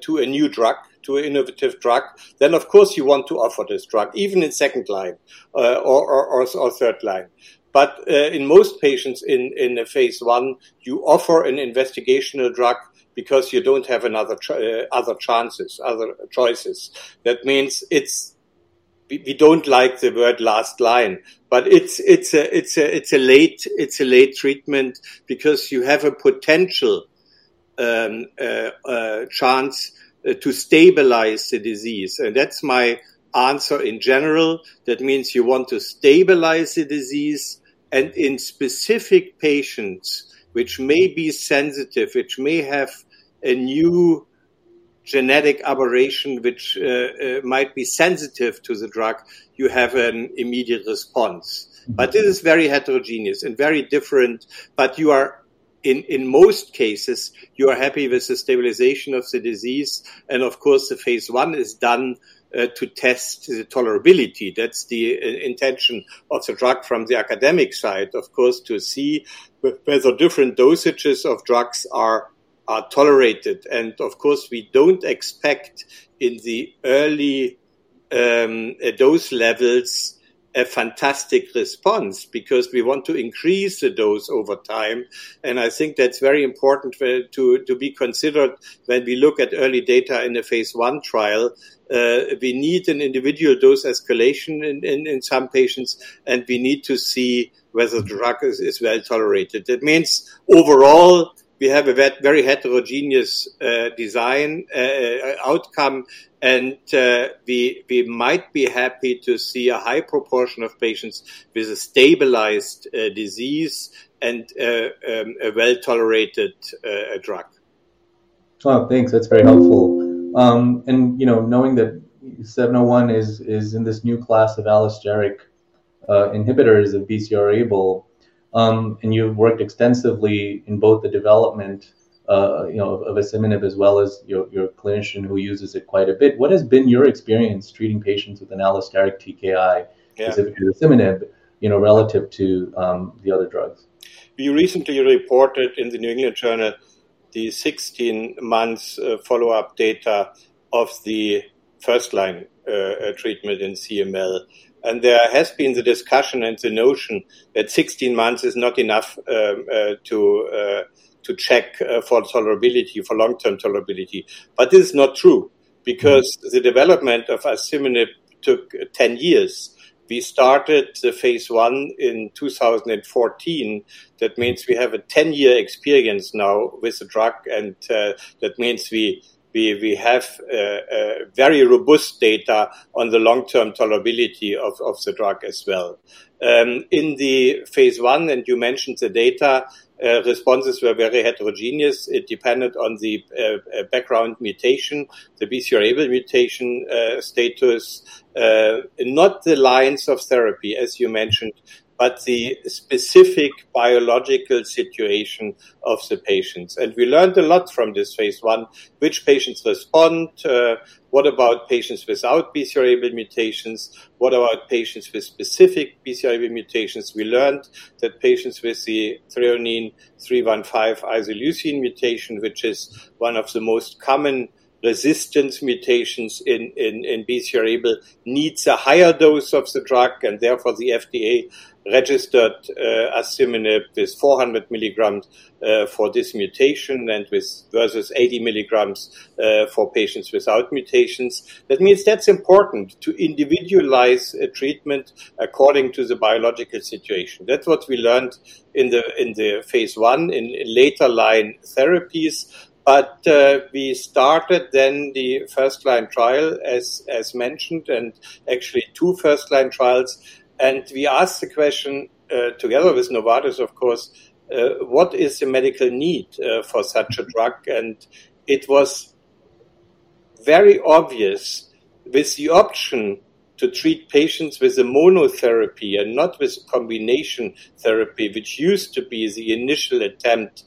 [SPEAKER 4] to a new drug, to an innovative drug, then, of course, you want to offer this drug even in second line or third line. But in most patients in a phase I, you offer an investigational drug because you don't have other chances, other choices. That means we don't like the word last line, but it's a late treatment because you have a potential chance to stabilize the disease, and that's my answer in general.
[SPEAKER 2] That means you want to stabilize the disease, and in specific patients which may be sensitive, which may have a new genetic aberration, which might be sensitive to the drug, you have an immediate response.
[SPEAKER 3] Mm-hmm.
[SPEAKER 4] But it is very heterogeneous and very different, but you are, in most cases, you are happy with the stabilization of the disease, and of course, the phase I is done to test the tolerability. That's the intention of the drug from the academic side, of course, to see whether different dosages of drugs are tolerated. And of course, we don't expect in the early dose levels, a fantastic response because we want to increase the dose over time, and I think that's very important to be considered when we look at early data in a phase I trial. We need an individual dose escalation in some patients, and we need to see whether the drug is well tolerated.
[SPEAKER 2] That means overall, we have a very heterogeneous design, outcome, and we might be happy to see a high proportion of patients with a stabilized disease and a well-tolerated drug.
[SPEAKER 3] Oh, thanks. That's very helpful. And, you know, knowing that 701 is in this new class of allosteric inhibitors of BCR-ABL, and you've worked extensively in both the development, you know, of asciminib, as well as you're a clinician who uses it quite a bit. What has been your experience treating patients with an allosteric TKI?
[SPEAKER 4] Yeah...
[SPEAKER 3] specifically asciminib, you know, relative to, the other drugs?
[SPEAKER 4] We recently reported in the New England Journal, the 16 months follow-up data of the first-line treatment in CML. And there has been the discussion and the notion that 16 months is not enough to check for tolerability, for long-term tolerability. But this is not true because the development of asciminib took 10 years. We started the phase I in 2014. That means we have a 10-year experience now with the drug, and that means we have very robust data on the long-term tolerability of the drug as well. In the phase I, and you mentioned the data, responses were very heterogeneous. It depended on the background mutation, the BCR-ABL mutation status, not the lines of therapy, as you mentioned, but the specific biological situation of the patients.
[SPEAKER 2] And we learned a lot from this phase I, which patients respond, what about patients without BCR-ABL mutations? What about patients with specific BCR-ABL mutations? We learned that patients with the threonine 315 isoleucine mutation, which is one of the most common resistance mutations in BCR-ABL, needs a higher dose of the drug, and therefore, the FDA registered asciminib, this 400 milligrams for this mutation versus 80 milligrams for patients without mutations. That means that's important to individualize a treatment according to the biological situation. That's what we learned in the phase I, in later line therapies. But we started then the first-line trial, as mentioned, and actually two first-line trials, and we asked the question, together with Novartis, of course, what is the medical need for such a drug? It was very obvious with the option to treat patients with immunotherapy and not with combination therapy, which used to be the initial attempt,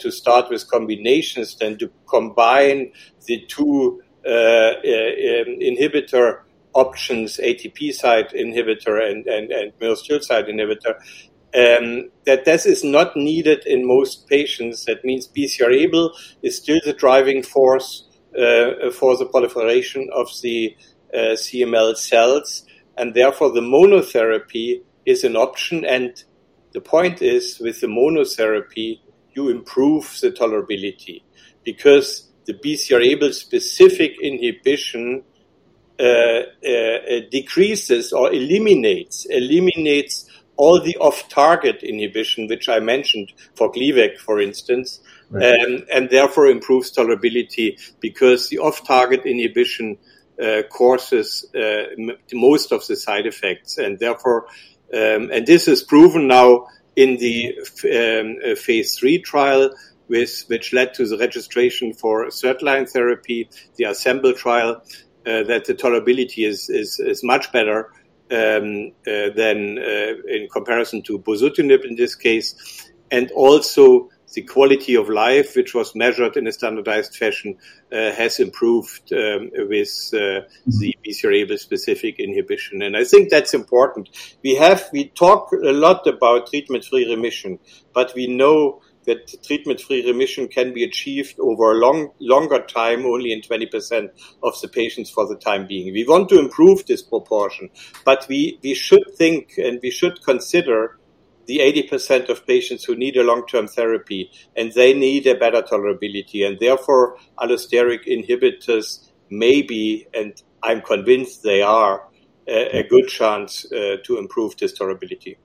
[SPEAKER 2] to start with combinations, then to combine the two, inhibitor options, ATP site inhibitor and tyrosine kinase inhibitor, that this is not needed in most patients. That means BCR-ABL is still the driving force for the proliferation of the CML cells, and therefore, the monotherapy is an option. The point is, with the monotherapy, you improve the tolerability, because the BCR-ABL specific inhibition decreases or eliminates all the off-target inhibition, which I mentioned for Gleevec, for instance.
[SPEAKER 3] Right.
[SPEAKER 4] Therefore, improves tolerability, because the off-target inhibition causes most of the side effects. And therefore, and this is proven now in the phase III trial, which led to the registration for third line therapy, the ASCEMBL trial, that the tolerability is much better than in comparison to bosutinib, in this case. And also, the quality of life, which was measured in a standardized fashion, has improved with.
[SPEAKER 3] Mm-hmm...
[SPEAKER 4] the BCR-ABL specific inhibition, and I think that's important. We talk a lot about treatment-free remission, but we know that treatment-free remission can be achieved over a longer time, only in 20% of the patients for the time being. We want to improve this proportion, but we should think, and we should consider the 80% of patients who need a long-term therapy, and they need a better tolerability. Therefore, allosteric inhibitors may be, and I'm convinced they are, a good chance to improve this tolerability.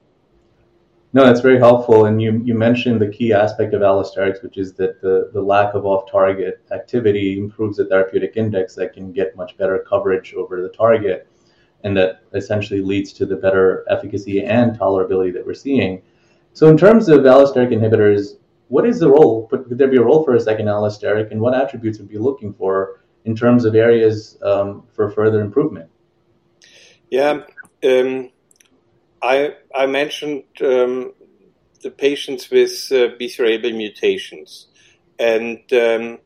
[SPEAKER 3] No, that's very helpful, and you mentioned the key aspect of allosteric, which is that the lack of off-target activity improves the therapeutic index that can get much better coverage over the target, and that essentially leads to the better efficacy and tolerability that we're seeing. So in terms of allosteric inhibitors, what is the role? Would there be a role for a second allosteric, and what attributes would be looking for in terms of areas for further improvement?
[SPEAKER 4] Yeah. I mentioned the patients with BCR-ABL mutations, and there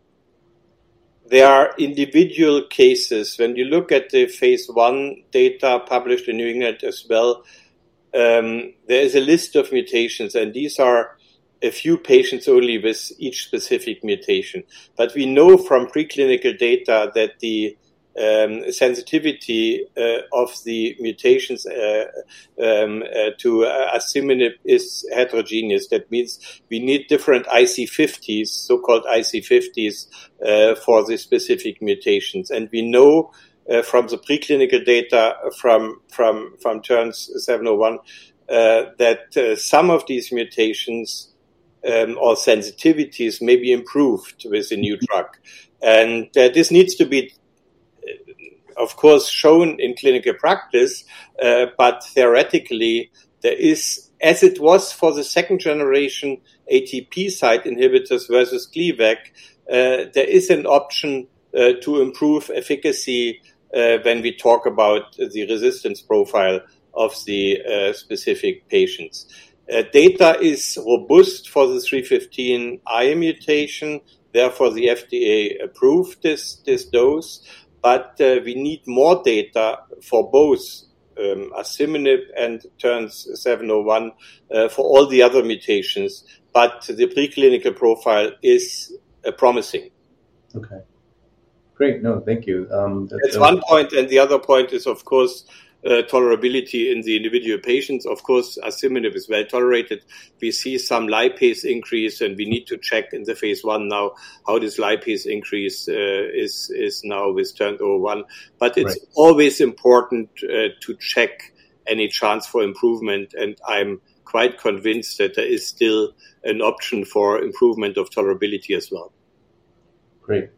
[SPEAKER 4] are individual cases. When you look at the phase I data published in New England as well, there is a list of mutations, and these are a few patients only with each specific mutation. But we know from preclinical data that the sensitivity of the mutations to asciminib is heterogeneous. That means we need different IC50s, so-called IC50s, for the specific mutations. And we know from the preclinical data from TERN-701 that some of these mutations or sensitivities may be improved with the new drug. And this needs to be, of course, shown in clinical practice, but theoretically, there is...
[SPEAKER 2] As it was for the second generation, ATP site inhibitors versus Gleevec, there is an option to improve efficacy when we talk about the resistance profile of the specific patients. Data is robust for the T315I mutation, therefore, the FDA approved this, this dose, but we need more data for both asciminib and TERN-701 for all the other mutations. But the preclinical profile is promising.
[SPEAKER 3] Okay. Great. No, thank you.
[SPEAKER 4] That's one point, and the other point is, of course, tolerability in the individual patients. Of course, asciminib is well tolerated. We see some lipase increase, and we need to check in the phase I now, how this lipase increase is now with TERN-701.
[SPEAKER 3] Right.
[SPEAKER 4] But it's always important to check any chance for improvement, and I'm quite convinced that there is still an option for improvement of tolerability as well.
[SPEAKER 3] Great.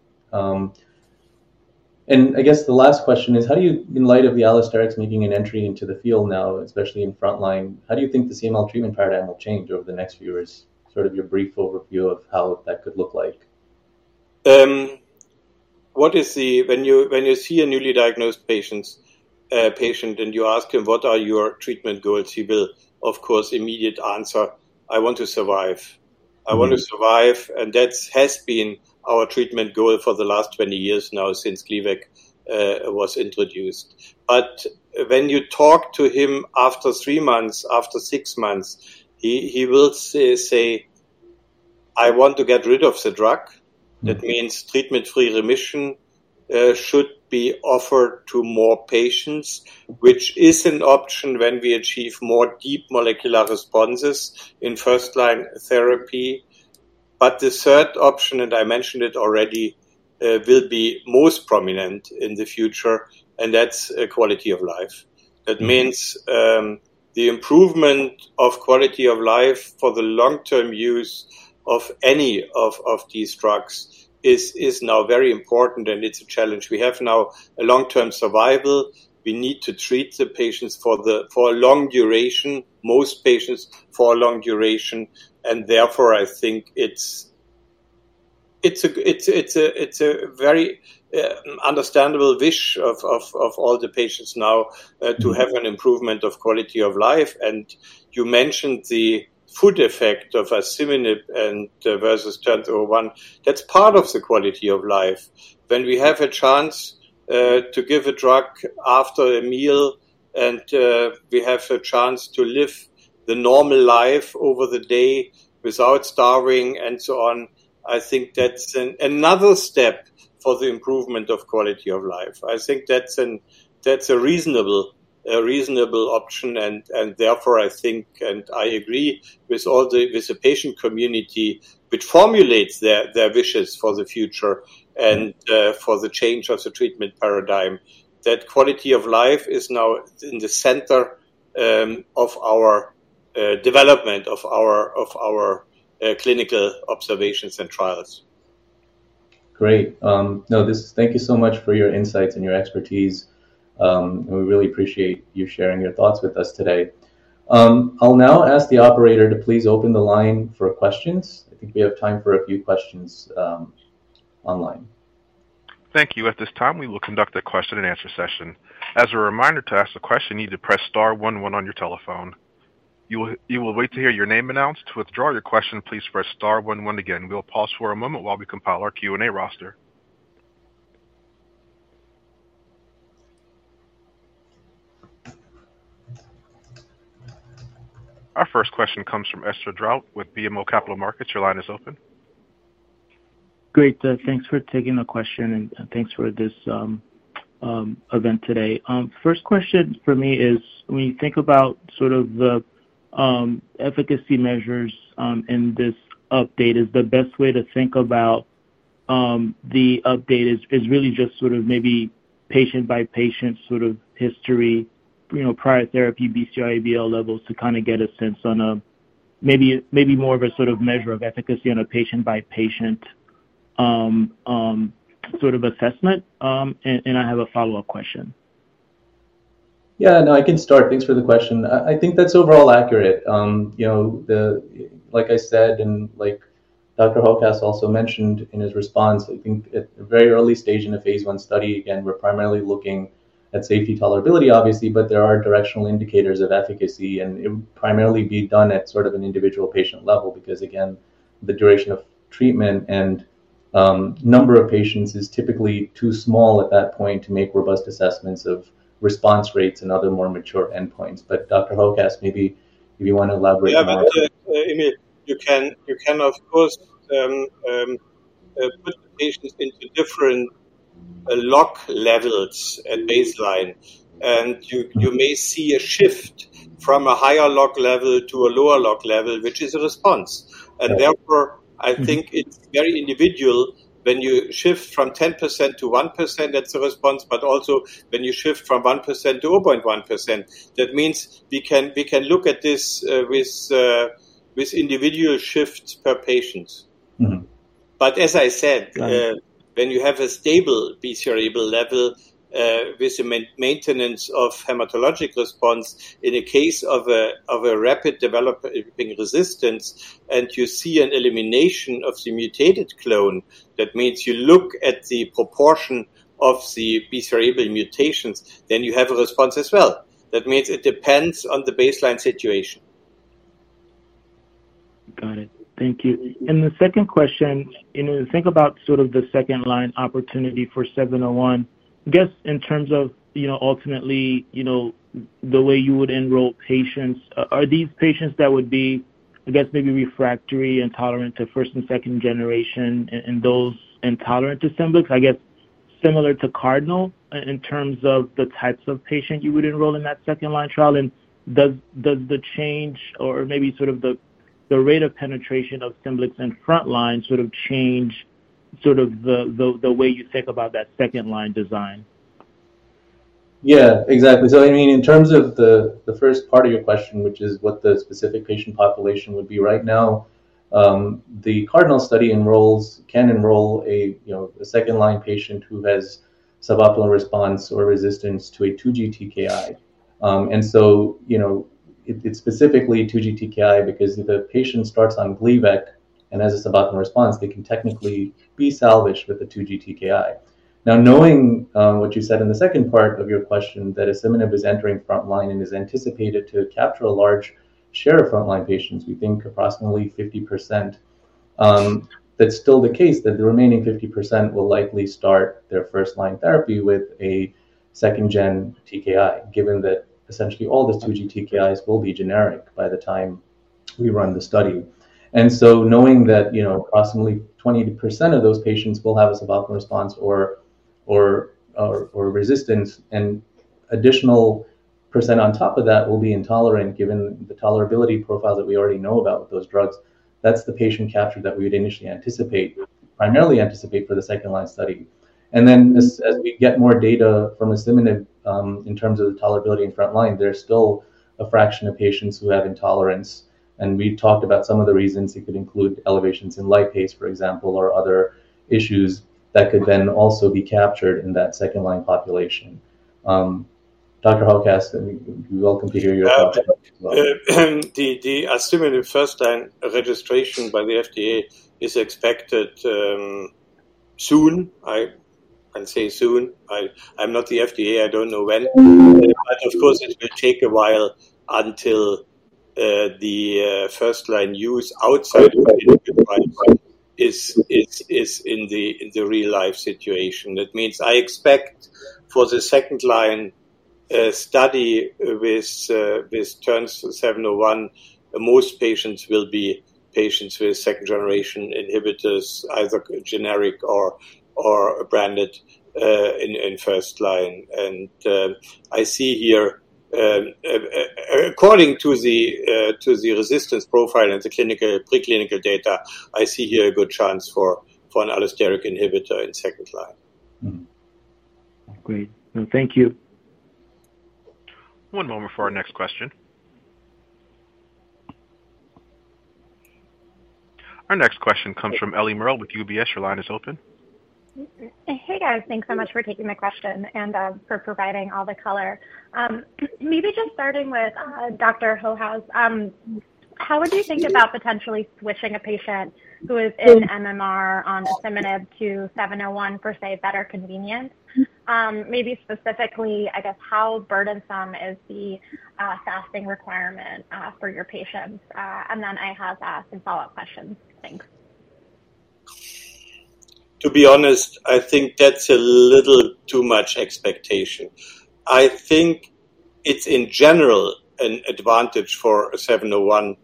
[SPEAKER 3] And I guess the last question is, how do you- in light of the allosterics making an entry into the field now, especially in frontline, how do you think the CML treatment paradigm will change over the next few years? Sort of your brief overview of how that could look like.
[SPEAKER 4] When you see a newly diagnosed patient, and you ask him: What are your treatment goals? He will, of course, immediately answer: "I want to survive.
[SPEAKER 3] Mm-hmm.
[SPEAKER 4] I want to survive," and that has been our treatment goal for the last twenty years now since Gleevec was introduced. But when you talk to him after three months, after six months, he will say: "I want to get rid of the drug.
[SPEAKER 3] Mm-hmm.
[SPEAKER 4] That means treatment-free remission should be offered to more patients, which is an option when we achieve more deep molecular responses in first line therapy. But the third option, and I mentioned it already, will be most prominent in the future, and that's quality of life.
[SPEAKER 3] Mm-hmm.
[SPEAKER 4] That means, the improvement of quality of life for the long-term use of any of these drugs is now very important, and it's a challenge. We have now a long-term survival. We need to treat the patients for a long duration, most patients for a long duration, and therefore, I think it's a very understandable wish of all the patients now.
[SPEAKER 3] Mm-hmm...
[SPEAKER 4] to have an improvement of quality of life. And you mentioned the food effect of asciminib and versus TERN-701. That's part of the quality of life. When we have a chance to give a drug after a meal, and we have a chance to live the normal life over the day without starving and so on, I think that's another step... for the improvement of quality of life. I think that's a reasonable option, and therefore, I think, and I agree with all the with the patient community, which formulates their wishes for the future and for the change of the treatment paradigm, that quality of life is now in the center of our development of our clinical observations and trials.
[SPEAKER 3] Great. Now, thank you so much for your insights and your expertise. We really appreciate you sharing your thoughts with us today. I'll now ask the operator to please open the line for questions. I think we have time for a few questions, online.
[SPEAKER 1] Thank you. At this time, we will conduct a question-and-answer session. As a reminder, to ask a question, you need to press star one one on your telephone. You will wait to hear your name announced. To withdraw your question, please press star one one again. We'll pause for a moment while we compile our Q&A roster. Our first question comes from Etzer Darout with BMO Capital Markets. Your line is open.
[SPEAKER 5] Great, thanks for taking the question and thanks for this event today. First question for me is, when you think about sort of the efficacy measures in this update, is the best way to think about the update is really just sort of maybe patient by patient sort of history, you know, prior therapy, BCR-ABL levels, to kinda get a sense on a maybe more of a sort of measure of efficacy on a patient by patient sort of assessment? And I have a follow-up question.
[SPEAKER 3] Yeah, no, I can start. Thanks for the question. I think that's overall accurate. You know, like I said, and like Dr. Hochhaus also mentioned in his response, I think at a very early stage in a phase I study, again, we're primarily looking at safety tolerability, obviously, but there are directional indicators of efficacy, and it would primarily be done at sort of an individual patient level. Because, again, the duration of treatment and number of patients is typically too small at that point to make robust assessments of response rates and other more mature endpoints. But Dr. Hochhaus, maybe if you wanna elaborate more.
[SPEAKER 4] Yeah, but I mean, you can, of course, put the patients into different log levels at baseline, and you-
[SPEAKER 3] Mm-hmm.
[SPEAKER 4] You may see a shift from a higher log level to a lower log level, which is a response.
[SPEAKER 5] Right.
[SPEAKER 4] And therefore, I think it's very individual when you shift from 10% to 1%, that's a response, but also when you shift from 1% to 0.1%. That means we can look at this with individual shifts per patient.
[SPEAKER 3] Mm-hmm.
[SPEAKER 4] But as I said.
[SPEAKER 5] Got it.
[SPEAKER 4] When you have a stable BCR-ABL level, with the maintenance of hematologic response, in a case of a rapid developing resistance, and you see an elimination of the mutated clone, that means you look at the proportion of the BCR-ABL mutations, then you have a response as well. That means it depends on the baseline situation.
[SPEAKER 5] Got it. Thank you. And the second question, you know, think about sort of the second-line opportunity for 701. I guess in terms of, you know, ultimately, you know, the way you would enroll patients, are these patients that would be, I guess, maybe refractory and tolerant to first and second generation and those intolerant to Scemblix, I guess, similar to CARDINAL in terms of the types of patient you would enroll in that second-line trial? And does the change or maybe sort of the rate of penetration of Scemblix in frontline sort of change sort of the way you think about that second-line design?
[SPEAKER 3] Yeah, exactly. So, I mean, in terms of the first part of your question, which is what the specific patient population would be, right now, the CARDINAL study can enroll a, you know, a second-line patient who has suboptimal response or resistance to a 2G TKI. And so, you know, it, it's specifically 2G TKI because if a patient starts on Gleevec and has a suboptimal response, they can technically be salvaged with a 2G TKI.
[SPEAKER 2] Now, knowing what you said in the second part of your question, that asciminib is entering frontline and is anticipated to capture a large share of frontline patients, we think approximately 50%, that's still the case, that the remaining 50% will likely start their first-line therapy with a second-gen TKI, given that essentially all the 2G TKIs will be generic by the time we run the study. And so knowing that, you know, approximately 20% of those patients will have a suboptimal response or resistance and additional percent on top of that will be intolerant, given the tolerability profile that we already know about with those drugs. That's the patient capture that we would initially anticipate primarily for the second-line study. Then as we get more data from asciminib in terms of the tolerability in frontline, there's still a fraction of patients who have intolerance, and we've talked about some of the reasons. It could include elevations in lipase, for example, or other issues that could then also be captured in that second-line population. Dr. Hochhaus, I mean, we welcome to hear your thoughts as well.
[SPEAKER 4] The asciminib first-line registration by the FDA is expected soon. I'd say soon. I'm not the FDA, I don't know when. But of course, it will take a while until the first-line use outside is in the real-life situation. That means I expect for the second line study with TERN-701, most patients will be patients with second generation inhibitors, either generic or branded in first line. And I see here according to the resistance profile and the clinical preclinical data, I see here a good chance for an allosteric inhibitor in second line.
[SPEAKER 5] Mm-hmm. Great. Thank you.
[SPEAKER 1] One moment for our next question. Our next question comes from Ellie Merle with UBS. Your line is open.
[SPEAKER 6] Hey, guys. Thanks so much for taking my question and for providing all the color. Maybe just starting with Dr. Hochhaus. How would you think about potentially switching a patient who is in MMR on asciminib to 701 for say, better convenience? Maybe specifically, I guess, how burdensome is the fasting requirement for your patients? And then I have some follow-up questions. Thanks.
[SPEAKER 4] To be honest, I think that's a little too much expectation. I think it's in general an advantage for 701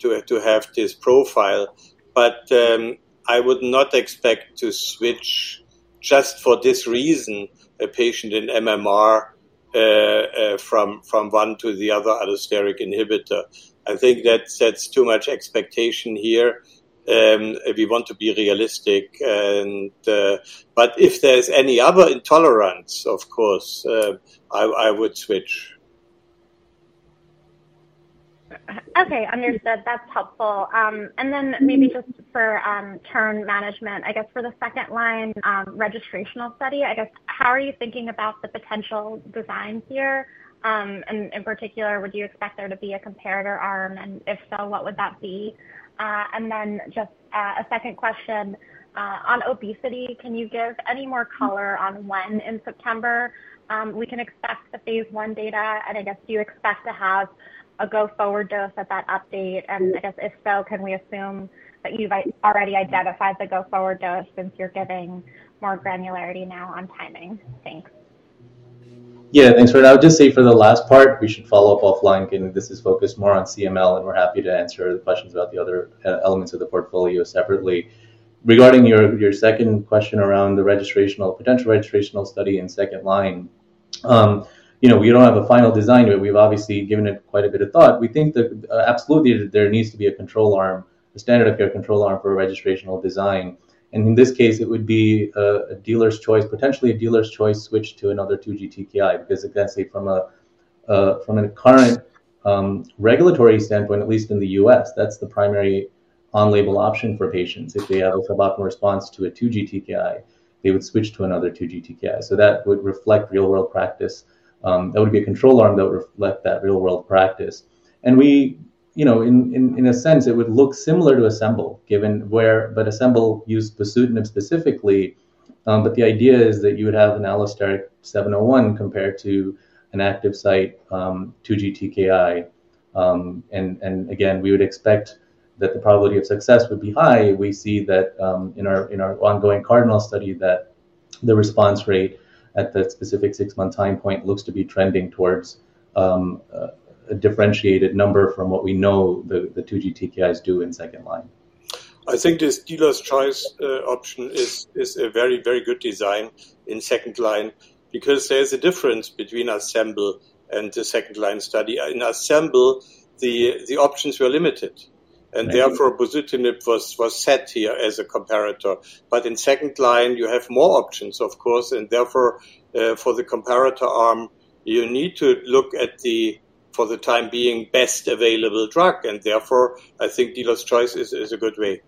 [SPEAKER 4] to have this profile, but I would not expect to switch just for this reason, a patient in MMR from one to the other allosteric inhibitor. I think that sets too much expectation here if you want to be realistic and... But if there's any other intolerance, of course, I would switch.
[SPEAKER 6] Okay, understood. That's helpful, and then maybe just for Terns management, I guess, for the second line registrational study, I guess, how are you thinking about the potential design here? And in particular, would you expect there to be a comparator arm, and if so, what would that be? And then just a second question on obesity, can you give any more color on when in September we can expect the phase I data? And I guess, do you expect to have a go-forward dose at that update? And I guess, if so, can we assume that you've already identified the go-forward dose since you're giving more granularity now on timing? Thanks.
[SPEAKER 3] Yeah, thanks for that. I'll just say for the last part, we should follow up offline. Again, this is focused more on CML, and we're happy to answer the questions about the other elements of the portfolio separately. Regarding your second question around the potential registrational study in second line, you know, we don't have a final design yet. We've obviously given it quite a bit of thought. We think that absolutely that there needs to be a control arm, a standard of care control arm for a registrational design. And in this case, it would be a dealer's choice, potentially a dealer's choice, switch to another 2G TKI, because I'd say from a current regulatory standpoint, at least in the U.S., that's the primary on-label option for patients.
[SPEAKER 2] If they have a suboptimal response to a 2G TKI, they would switch to another 2G TKI. So that would reflect real-world practice. That would be a control arm that would reflect that real-world practice. And we you know in a sense it would look similar to ASCEMBL, given where but ASCEMBL used bosutinib specifically. But the idea is that you would have an allosteric 701 compared to an active site 2G TKI. And again, we would expect that the probability of success would be high. We see that in our ongoing CARDINAL study, that the response rate at that specific six-month time point looks to be trending towards a differentiated number from what we know the 2G TKIs do in second line.
[SPEAKER 4] I think this dealer's choice option is a very, very good design in second line because there's a difference between ASCEMBL and the second line study. In ASCEMBL, the options were limited-
[SPEAKER 3] Mm-hmm.
[SPEAKER 4] And therefore, bosutinib was set here as a comparator. But in second line, you have more options, of course, and therefore, for the comparator arm, you need to look at the, for the time being, best available drug. And therefore, I think dealer's choice is a good way.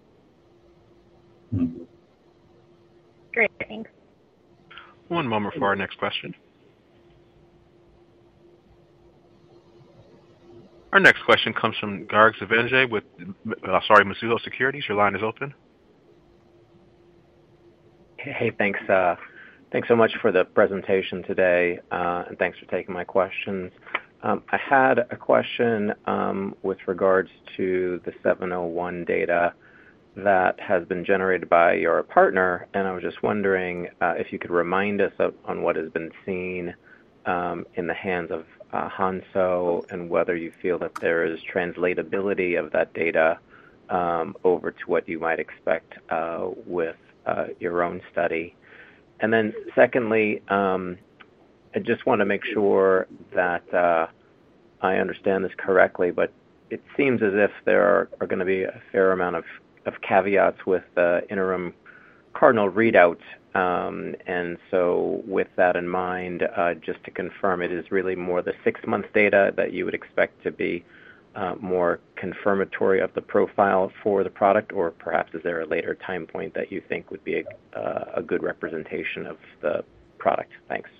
[SPEAKER 3] Mm-hmm.
[SPEAKER 6] Great. Thanks.
[SPEAKER 1] One moment for our next question. Our next question comes from Graig Suvannavejh with Mizuho Securities. Your line is open.
[SPEAKER 7] Hey, thanks. Thanks so much for the presentation today, and thanks for taking my questions. I had a question with regards to the 701 data that has been generated by your partner, and I was just wondering if you could remind us of what has been seen in the hands of Hansoh, and whether you feel that there is translatability of that data over to what you might expect with your own study. And then secondly, I just want to make sure that I understand this correctly, but it seems as if there are gonna be a fair amount of caveats with the interim CARDINAL readouts.
[SPEAKER 2] And so with that in mind, just to confirm, it is really more the six-month data that you would expect to be more confirmatory of the profile for the product, or perhaps, is there a later time point that you think would be a good representation of the product? Thanks.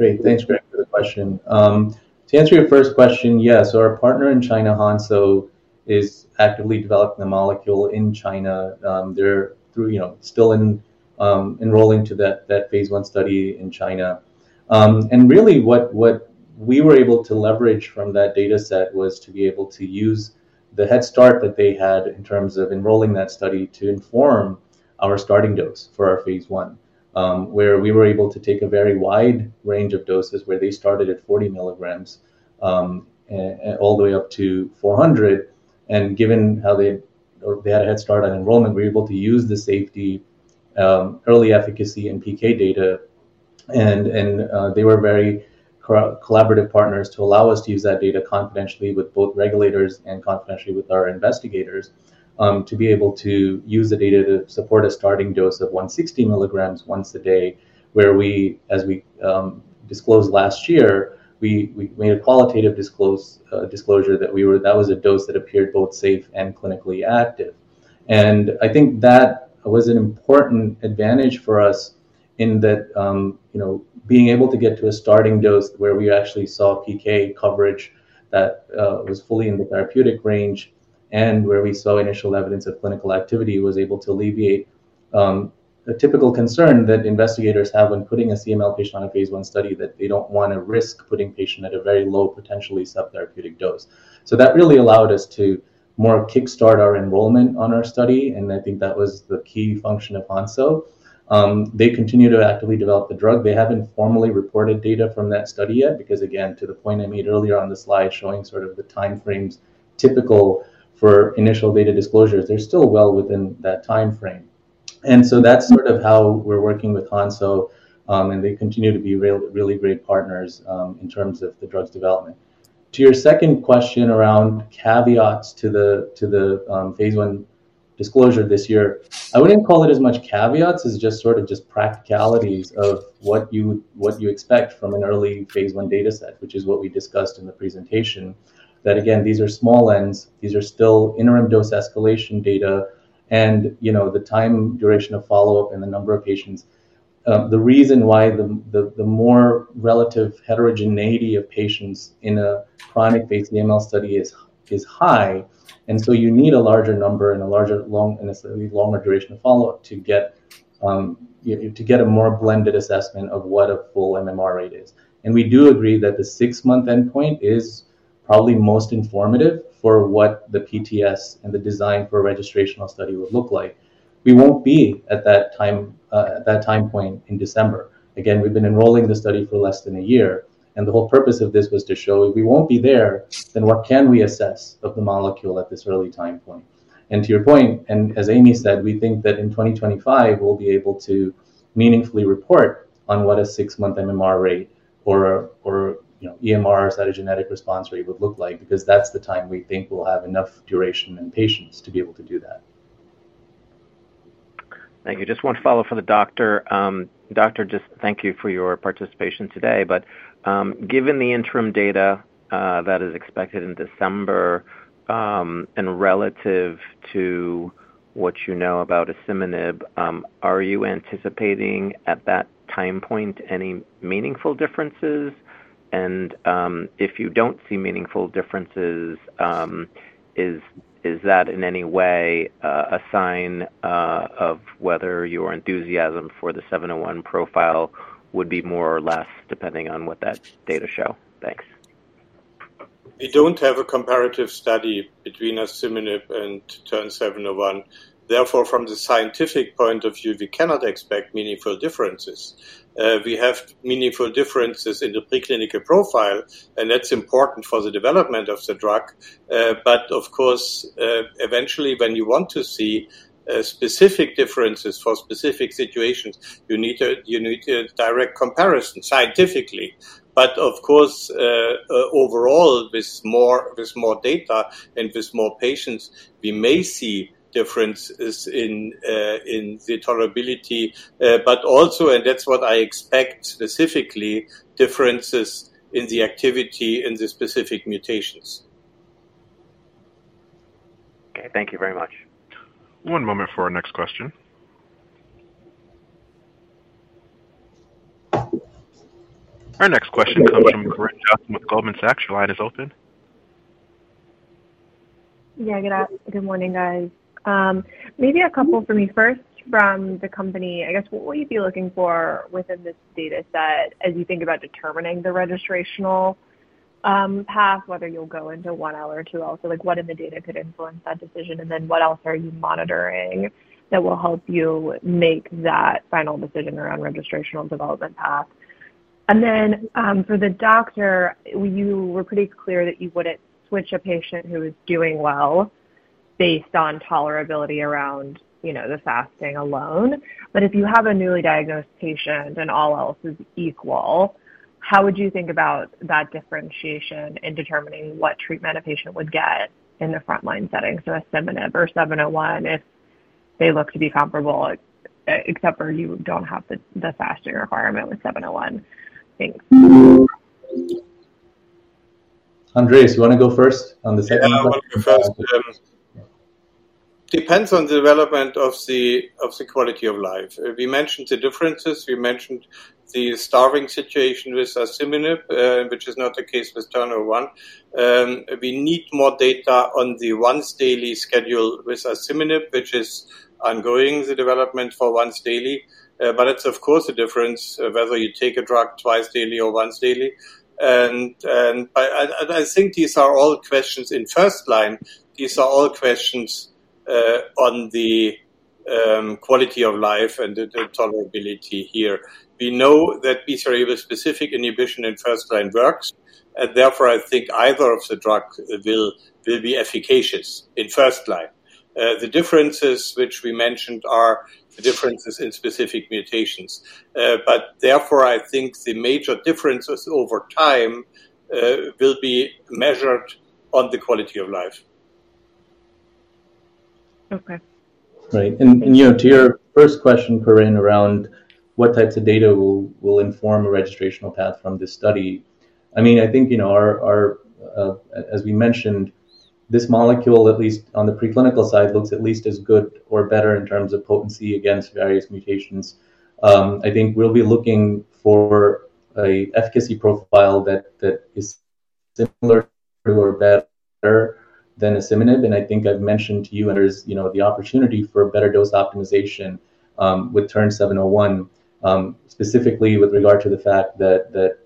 [SPEAKER 3] Great. Thanks for the question. To answer your first question, yes, our partner in China, Hansoh, is actively developing the molecule in China. They're, you know, still enrolling to that phase I study in China. And really, what we were able to leverage from that data set was to be able to use the head start that they had in terms of enrolling that study to inform our starting dose for our phase I, where we were able to take a very wide range of doses, where they started at 40 milligrams, and all the way up to 400, and given how they had a head start on enrollment, we were able to use the safety, early efficacy and PK data.
[SPEAKER 2] They were very collaborative partners to allow us to use that data confidentially with both regulators and confidentially with our investigators, to be able to use the data to support a starting dose of 160 milligrams once a day, where we, as we, disclosed last year, we made a qualitative disclosure that we were, that was a dose that appeared both safe and clinically active. I think that was an important advantage for us in that, you know, being able to get to a starting dose where we actually saw PK coverage that was fully in the therapeutic range, and where we saw initial evidence of clinical activity, was able to alleviate a typical concern that investigators have when putting a CML patient on a phase I study, that they don't want to risk putting patient at a very low, potentially subtherapeutic dose. So that really allowed us to more kickstart our enrollment on our study, and I think that was the key function of Hansoh. They continue to actively develop the drug. They haven't formally reported data from that study yet, because, again, to the point I made earlier on the slide, showing sort of the time frames typical for initial data disclosures, they're still well within that time frame. And so that's sort of how we're working with Hansoh, and they continue to be really great partners in terms of the drug's development. To your second question around caveats to the phase I disclosure this year, I wouldn't call it as much caveats as just sort of practicalities of what you expect from an early phase I data set, which is what we discussed in the presentation. That again, these are small n's. These are still interim dose escalation data and, you know, the time duration of follow-up and the number of patients. The reason why the more relative heterogeneity of patients in a chronic phase CML study is high, and so you need a larger number and a longer duration of follow-up to get you know to get a more blended assessment of what a full MMR rate is. We do agree that the six-month endpoint is probably most informative for what the PTS and the design for a registrational study would look like. We won't be at that time point in December. Again, we've been enrolling the study for less than a year, and the whole purpose of this was to show if we won't be there, then what can we assess of the molecule at this early time point? To your point, and as Amy said, we think that in 2025, we'll be able to meaningfully report on what a six-month MMR rate or a, you know, EMR cytogenetic response rate would look like, because that's the time we think we'll have enough duration and patients to be able to do that.
[SPEAKER 7] Thank you. Just one follow-up for the doctor. Doctor, just thank you for your participation today, but, given the interim data that is expected in December, and relative to what you know about asciminib, are you anticipating at that time point any meaningful differences? And, if you don't see meaningful differences, is that in any way a sign of whether your enthusiasm for the 701 profile would be more or less, depending on what that data show? Thanks.
[SPEAKER 4] We don't have a comparative study between asciminib and TERN-701. Therefore, from the scientific point of view, we cannot expect meaningful differences. We have meaningful differences in the preclinical profile, and that's important for the development of the drug. But of course, eventually, when you want to see specific differences for specific situations, you need a direct comparison scientifically. But of course, overall, with more data and with more patients, we may see differences in the tolerability, but also, and that's what I expect, specifically, differences in the activity in the specific mutations.
[SPEAKER 7] Okay, thank you very much.
[SPEAKER 1] One moment for our next question. Our next question comes from Corinne Jenkins with Goldman Sachs. Your line is open.
[SPEAKER 8] Yeah, good morning, guys. Maybe a couple for me. First, from the company, I guess, what will you be looking for within this data set as you think about determining the registrational path, whether you'll go into 1L or 2L? So, like, what in the data could influence that decision, and then what else are you monitoring that will help you make that final decision around registrational development path? And then, for the doctor, you were pretty clear that you wouldn't switch a patient who is doing well based on tolerability around, you know, the fasting alone.
[SPEAKER 2] But if you have a newly diagnosed patient and all else is equal, how would you think about that differentiation in determining what treatment a patient would get in the frontline setting, so asciminib or 701, if they look to be comparable, except for you don't have the fasting requirement with 701? Thanks.
[SPEAKER 3] Andreas, you want to go first on the second?
[SPEAKER 4] Yeah, I want to go first. Depends on the development of the quality of life. We mentioned the differences, we mentioned the starting situation with asciminib, which is not the case with TERN-701. We need more data on the once daily schedule with asciminib, which is ongoing, the development for once daily. But it's of course a difference whether you take a drug twice daily or once daily. And I think these are all questions in first line. These are all questions on the quality of life and the tolerability here. We know that BCR-ABL specific inhibition in first line works, and therefore, I think either of the drugs will be efficacious in first line. The differences which we mentioned are the differences in specific mutations.
[SPEAKER 2] but therefore, I think the major differences over time will be measured on the quality of life.
[SPEAKER 8] Okay.
[SPEAKER 3] Right. You know, to your first question, Corinne, around what types of data will inform a registrational path from this study? I mean, I think you know, as we mentioned, this molecule, at least on the preclinical side, looks at least as good or better in terms of potency against various mutations. I think we'll be looking for an efficacy profile that is similar to or better than asciminib, and I think I've mentioned to you, and there's you know, the opportunity for a better dose optimization with TERN-701.
[SPEAKER 2] Specifically with regard to the fact that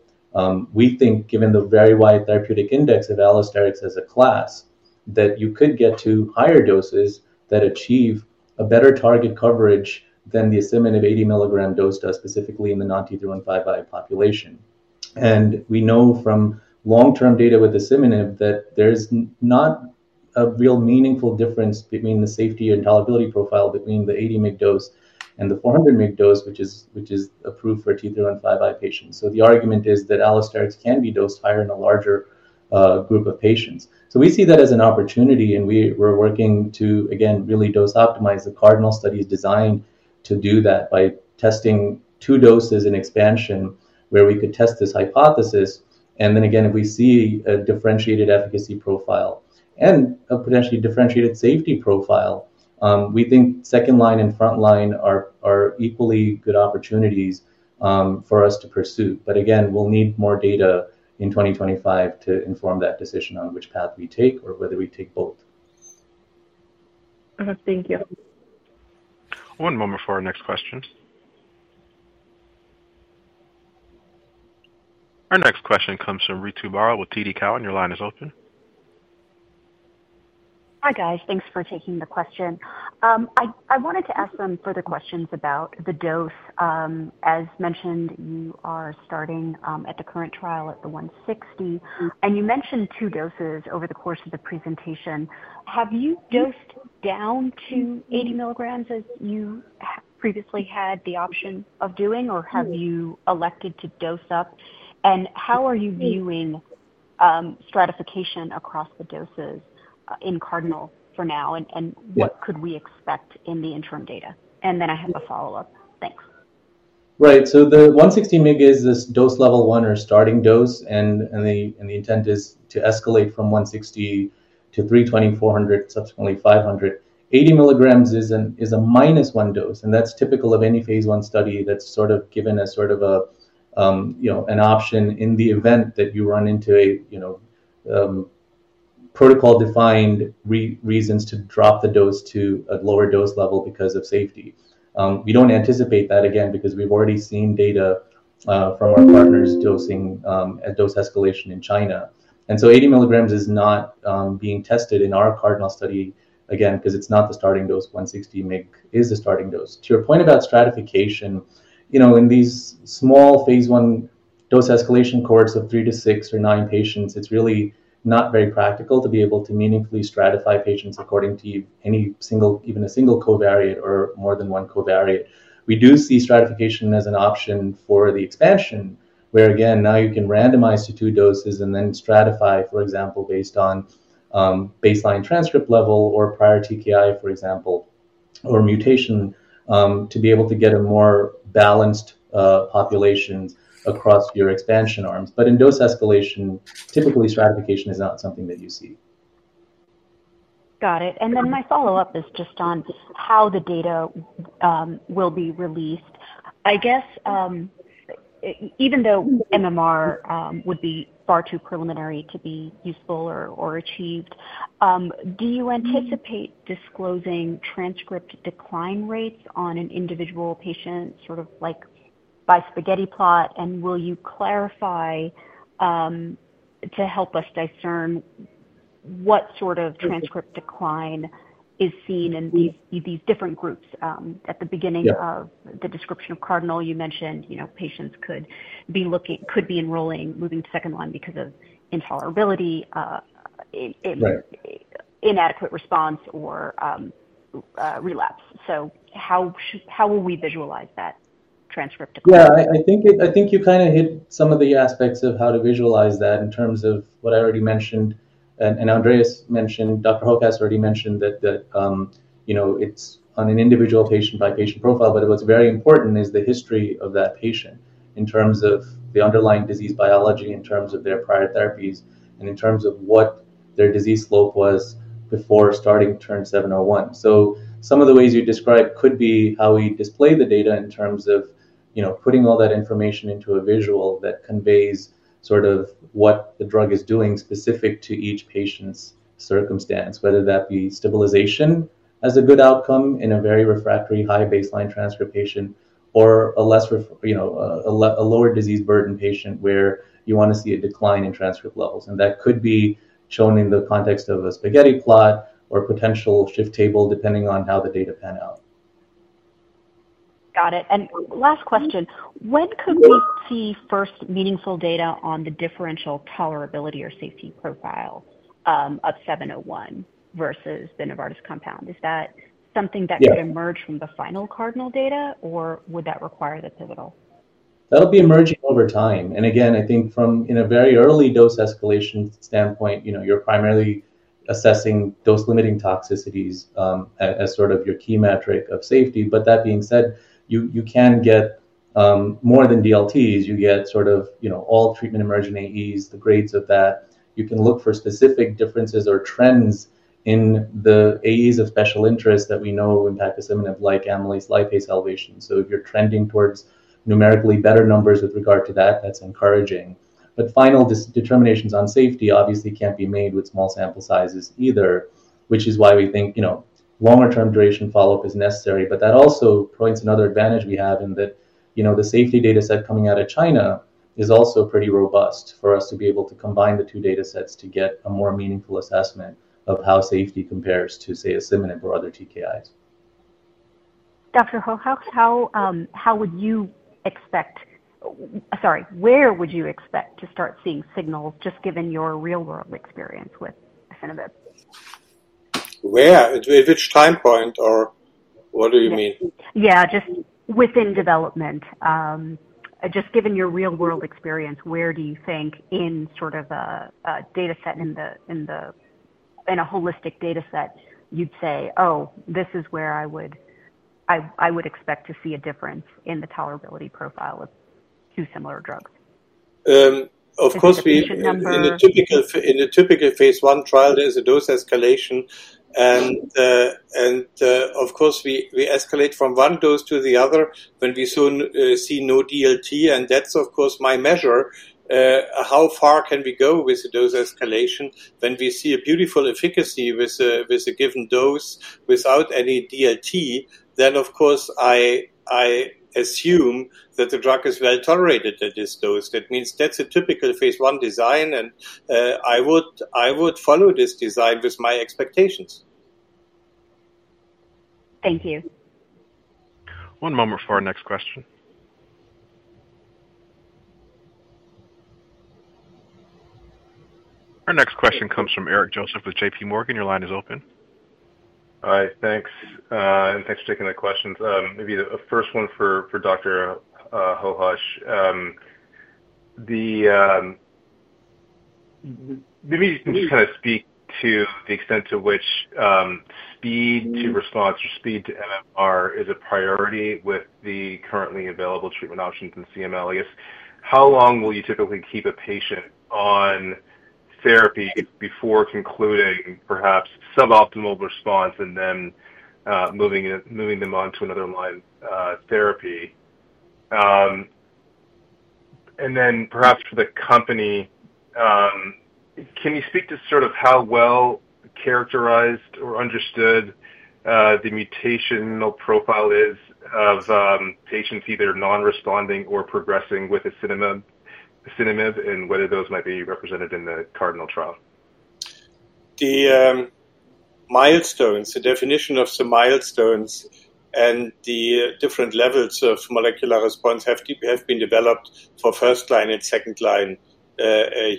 [SPEAKER 2] we think given the very wide therapeutic index of allosterics as a class, that you could get to higher doses that achieve a better target coverage than the asciminib 80 milligram dose does, specifically in the non-T315I population. And we know from long-term data with asciminib that there's not a real meaningful difference between the safety and tolerability profile between the 80 mg dose and the 400 mg dose, which is approved for T315I patients. So the argument is that allosterics can be dosed higher in a larger group of patients. So we see that as an opportunity, and we're working to, again, really dose optimize. The CARDINAL study is designed to do that by testing two doses in expansion, where we could test this hypothesis, and then again, if we see a differentiated efficacy profile and a potentially differentiated safety profile, we think second line and frontline are equally good opportunities for us to pursue. But again, we'll need more data in 2025 to inform that decision on which path we take or whether we take both.
[SPEAKER 8] Thank you.
[SPEAKER 1] One moment for our next question. Our next question comes from Ritu Baral with TD Cowen. Your line is open.
[SPEAKER 9] Hi, guys. Thanks for taking the question. I wanted to ask some further questions about the dose. As mentioned, you are starting in the current trial at the 160, and you mentioned two doses over the course of the presentation. Have you dosed down to 80 milligrams, as you previously had the option of doing, or have you elected to dose up? And how are you viewing stratification across the doses in CARDINAL for now?
[SPEAKER 3] Yeah.
[SPEAKER 9] What could we expect in the interim data? Then I have a follow-up. Thanks.
[SPEAKER 3] Right. So the 160 mg is this dose level one or starting dose, and the intent is to escalate from 160 to 320, 400, subsequently 500. 80 milligrams is a minus one dose, and that's typical of any phase I study. That's sort of given a sort of a you know an option in the event that you run into a you know protocol-defined reasons to drop the dose to a lower dose level because of safety. We don't anticipate that again, because we've already seen data from our partners dosing at dose escalation in China. And so 80 milligrams is not being tested in our CARDINAL study again, because it's not the starting dose. 160 mg is the starting dose.
[SPEAKER 2] To your point about stratification, you know, in these small phase I dose escalation cohorts of three to six or nine patients, it's really not very practical to be able to meaningfully stratify patients according to any single, even a single covariate or more than one covariate. We do see stratification as an option for the expansion, where again, now you can randomize to two doses and then stratify, for example, based on baseline transcript level or prior TKI, for example, or mutation, to be able to get a more balanced population across your expansion arms. But in dose escalation, typically stratification is not something that you see.
[SPEAKER 9] Got it. And then my follow-up is just on how the data will be released. I guess, even though MMR would be far too preliminary to be useful or, or achieved, do you anticipate disclosing transcript decline rates on an individual patient, sort of like by spaghetti plot? And will you clarify, to help us discern what sort of transcript decline is seen in these-
[SPEAKER 3] Yeah...
[SPEAKER 9] these different groups? At the beginning-
[SPEAKER 3] Yeah...
[SPEAKER 9] of the description of CARDINAL, you mentioned, you know, patients could be looking, could be enrolling, moving to second line because of intolerability.
[SPEAKER 3] Right...
[SPEAKER 9] inadequate response or relapse. So how will we visualize that transcript decline?
[SPEAKER 3] Yeah, I think you kinda hit some of the aspects of how to visualize that in terms of what I already mentioned, and Andreas mentioned. Dr. Hochhaus already mentioned that you know, it's on an individual patient by patient profile. But what's very important is the history of that patient in terms of the underlying disease biology, in terms of their prior therapies, and in terms of what their disease slope was before starting TERN-701.
[SPEAKER 2] Some of the ways you described could be how we display the data in terms of, you know, putting all that information into a visual that conveys sort of what the drug is doing specific to each patient's circumstance, whether that be stabilization as a good outcome in a very refractory, high-baseline transcript patient or a less refractory, you know, a lower disease burden patient, where you want to see a decline in transcript levels. And that could be shown in the context of a spaghetti plot or potential shift table, depending on how the data pan out. ...
[SPEAKER 9] Got it. And last question, when could we see first meaningful data on the differential tolerability or safety profile of 701 versus the Novartis compound? Is that something that-
[SPEAKER 3] Yeah.
[SPEAKER 9] Could emerge from the final CARDINAL data, or would that require the pivotal?
[SPEAKER 3] That'll be emerging over time and again, I think from in a very early dose escalation standpoint, you know, you're primarily assessing dose-limiting toxicities, as sort of your key metric of safety, but that being said, you can get more than DLTs. You get sort of, you know, all treatment-emergent AEs, the grades of that. You can look for specific differences or trends in the AEs of special interest that we know impact asciminib, like amylase, lipase elevation, so if you're trending towards numerically better numbers with regard to that, that's encouraging, but final determinations on safety obviously can't be made with small sample sizes either, which is why we think, you know, longer-term duration follow-up is necessary.
[SPEAKER 2] But that also points to another advantage we have in that, you know, the safety data set coming out of China is also pretty robust for us to be able to combine the two data sets to get a more meaningful assessment of how safety compares to, say, asciminib or other TKIs.
[SPEAKER 9] Dr. Hochhaus, sorry, where would you expect to start seeing signals, just given your real-world experience with asciminib?
[SPEAKER 4] Where? At which time point or what do you mean?
[SPEAKER 9] Yeah, just within development. Just given your real-world experience, where do you think in sort of a data set in a holistic data set, you'd say, "Oh, this is where I would expect to see a difference in the tolerability profile of two similar drugs?
[SPEAKER 4] Of course, we-
[SPEAKER 9] The patient number.
[SPEAKER 4] In a typical phase I trial, there is a dose escalation, and, of course, we escalate from one dose to the other when we soon see no DLT, and that's, of course, my measure. How far can we go with the dose escalation? When we see a beautiful efficacy with a given dose without any DLT, then, of course, I assume that the drug is well tolerated at this dose. That means that's a typical phase I design, and I would follow this design with my expectations.
[SPEAKER 9] Thank you.
[SPEAKER 1] One moment for our next question. Our next question comes from Eric Joseph with J.P. Morgan. Your line is open.
[SPEAKER 10] All right. Thanks, and thanks for taking the questions. Maybe the first one for Dr. Hochhaus. Kind of speak to the extent to which speed to response or speed to MMR is a priority with the currently available treatment options in CML. I guess, how long will you typically keep a patient on therapy before concluding perhaps suboptimal response and then moving them on to another line therapy? And then perhaps for the company, can you speak to sort of how well characterized or understood the mutational profile is of patients either non-responding or progressing with asciminib, and whether those might be represented in the CARDINAL trial?
[SPEAKER 4] The milestones, the definition of the milestones and the different levels of molecular response have been developed for first-line and second-line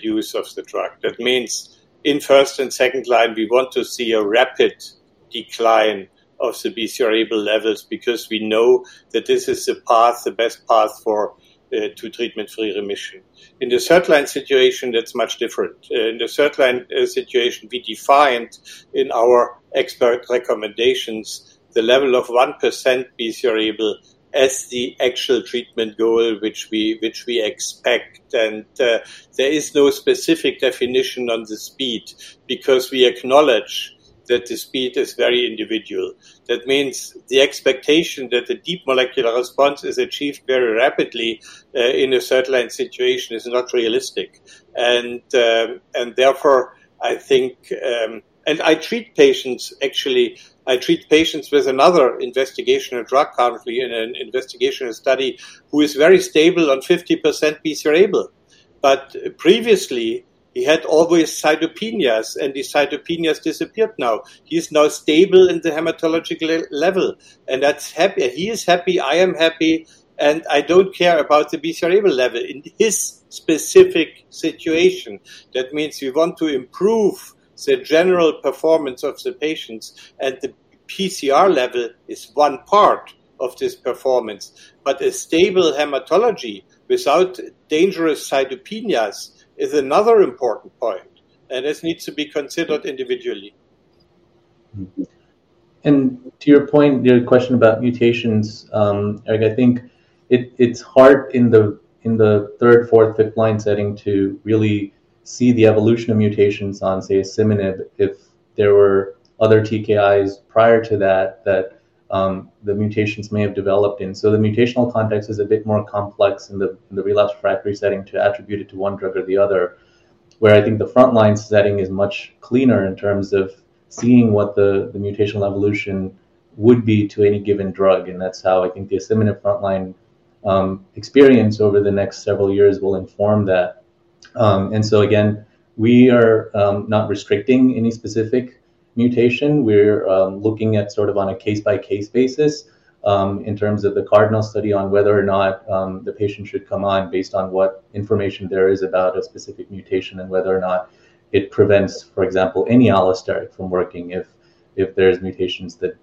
[SPEAKER 4] use of the drug. That means in first and second line, we want to see a rapid decline of the BCR-ABL levels because we know that this is the path, the best path for to treatment-free remission. In the third-line situation, that's much different. In the third-line situation, we defined in our expert recommendations the level of 1% BCR-ABL as the actual treatment goal, which we expect, and there is no specific definition on the speed because we acknowledge that the speed is very individual. That means the expectation that the deep molecular response is achieved very rapidly in a third-line situation is not realistic. And therefore, I think...
[SPEAKER 2] I treat patients, actually. I treat patients with another investigational drug currently in an investigational study, who is very stable on 50% BCR-ABL. But previously, he had always cytopenias, and his cytopenias disappeared now. He's now stable in the hematologic level, and that's happy. He is happy, I am happy, and I don't care about the BCR-ABL level in his specific situation. That means we want to improve the general performance of the patients, and the PCR level is one part of this performance. But a stable hematology without dangerous cytopenias is another important point, and this needs to be considered individually.
[SPEAKER 3] And to your point, the question about mutations, like, I think it's hard in the third, fourth, fifth-line setting to really see the evolution of mutations on, say, asciminib, if there were other TKIs prior to that, that the mutations may have developed in. So the mutational context is a bit more complex in the relapsed/refractory setting to attribute it to one drug or the other, where I think the frontline setting is much cleaner in terms of seeing what the mutational evolution would be to any given drug, and that's how I think the asciminib frontline experience over the next several years will inform that. And so again, we are not restricting any specific mutation.
[SPEAKER 2] We're looking at sort of on a case-by-case basis in terms of the CARDINAL study on whether or not the patient should come on based on what information there is about a specific mutation and whether or not it prevents, for example, any allosteric from working if there's mutations that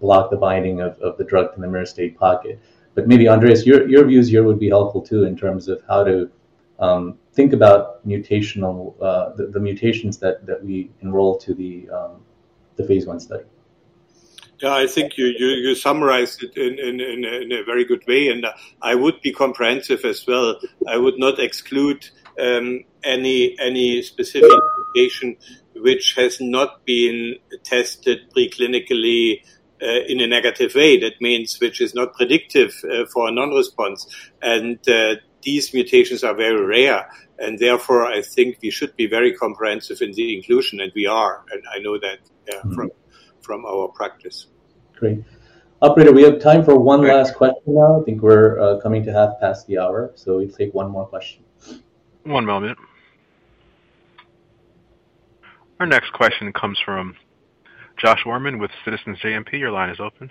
[SPEAKER 2] block the binding of the drug from the myristoyl pocket. But maybe, Andreas, your views here would be helpful, too, in terms of how to think about mutational, the mutations that we enroll to the phase I study.
[SPEAKER 4] Yeah, I think you summarized it in a very good way, and I would be comprehensive as well. I would not exclude any specific mutation which has not been tested pre-clinically in a negative way. That means, which is not predictive for a non-response. And these mutations are very rare, and therefore, I think we should be very comprehensive in the inclusion, and we are, and I know that, yeah-
[SPEAKER 3] Mm-hmm...
[SPEAKER 4] from our practice.
[SPEAKER 3] Great. Operator, we have time for one last question now. I think we're coming to half past the hour, so we'll take one more question.
[SPEAKER 1] One moment. Our next question comes from Josh Warman with Citizens JMP. Your line is open.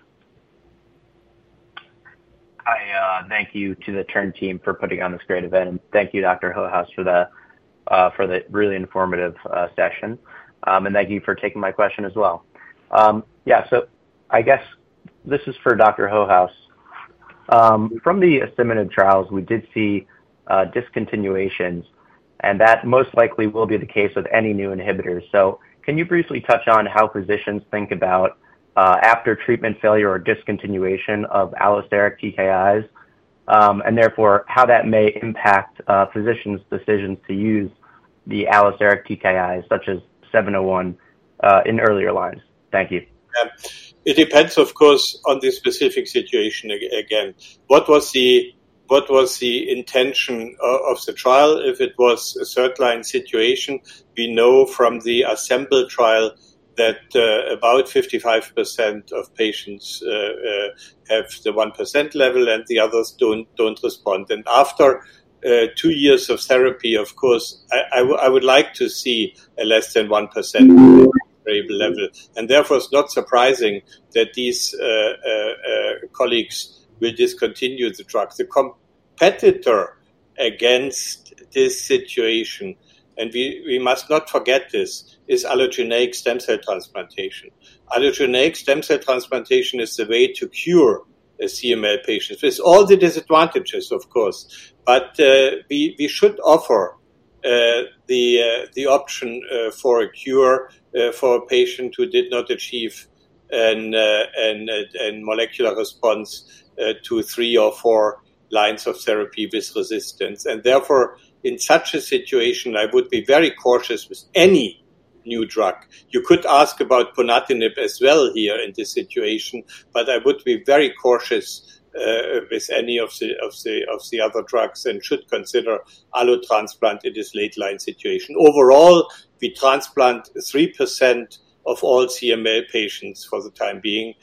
[SPEAKER 11] Hi, thank you to the Terns team for putting on this great event, and thank you, Dr. Hochhaus, for the really informative session. And thank you for taking my question as well. Yeah, so I guess this is for Dr. Hochhaus. From the ASCEMBL trials, we did see discontinuations, and that most likely will be the case with any new inhibitors. So can you briefly touch on how physicians think about after treatment failure or discontinuation of allosteric TKIs, and therefore, how that may impact physicians' decisions to use the allosteric TKIs, such as 701, in earlier lines? Thank you.
[SPEAKER 4] Yeah. It depends, of course, on the specific situation again. What was the intention of the trial? If it was a third line situation, we know from the ASCEMBL trial that about 55% of patients have the 1% BCR-ABL level, and the others don't respond. And after two years of therapy, of course, I would like to see a less than 1% BCR-ABL level. And therefore, it's not surprising that these colleagues will discontinue the drugs. The competitor against this situation, and we must not forget this, is allogeneic stem cell transplantation. Allogeneic stem cell transplantation is the way to cure a CML patient.
[SPEAKER 2] With all the disadvantages, of course, but we should offer the option for a cure for a patient who did not achieve a molecular response to three or four lines of therapy with resistance. Therefore, in such a situation, I would be very cautious with any new drug. You could ask about ponatinib as well here in this situation, but I would be very cautious with any of the other drugs and should consider allo transplant in this late line situation. Overall, we transplant 3% of all CML patients for the time being,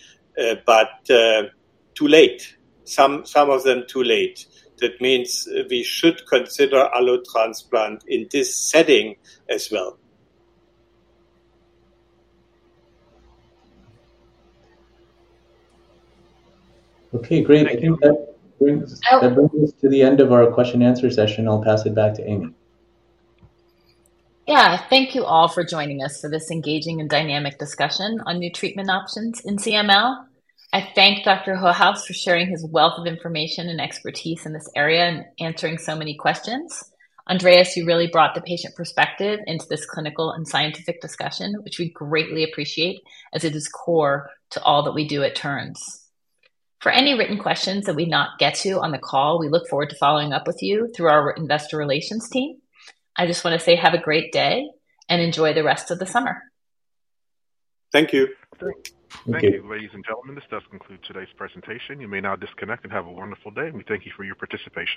[SPEAKER 2] but too late. Some of them too late. That means we should consider allo transplant in this setting as well.
[SPEAKER 11] Okay, great. Thank you.
[SPEAKER 3] I think that brings us to the end of our question and answer session. I'll pass it back to Amy.
[SPEAKER 2] Yeah. Thank you all for joining us for this engaging and dynamic discussion on new treatment options in CML. I thank Dr. Hochhaus for sharing his wealth of information and expertise in this area and answering so many questions. Andreas, you really brought the patient perspective into this clinical and scientific discussion, which we greatly appreciate, as it is core to all that we do at Terns. For any written questions that we not get to on the call, we look forward to following up with you through our investor relations team. I just wanna say have a great day, and enjoy the rest of the summer.
[SPEAKER 4] Thank you.
[SPEAKER 3] Thank you.
[SPEAKER 1] Thank you, ladies and gentlemen. This does conclude today's presentation. You may now disconnect and have a wonderful day, and we thank you for your participation.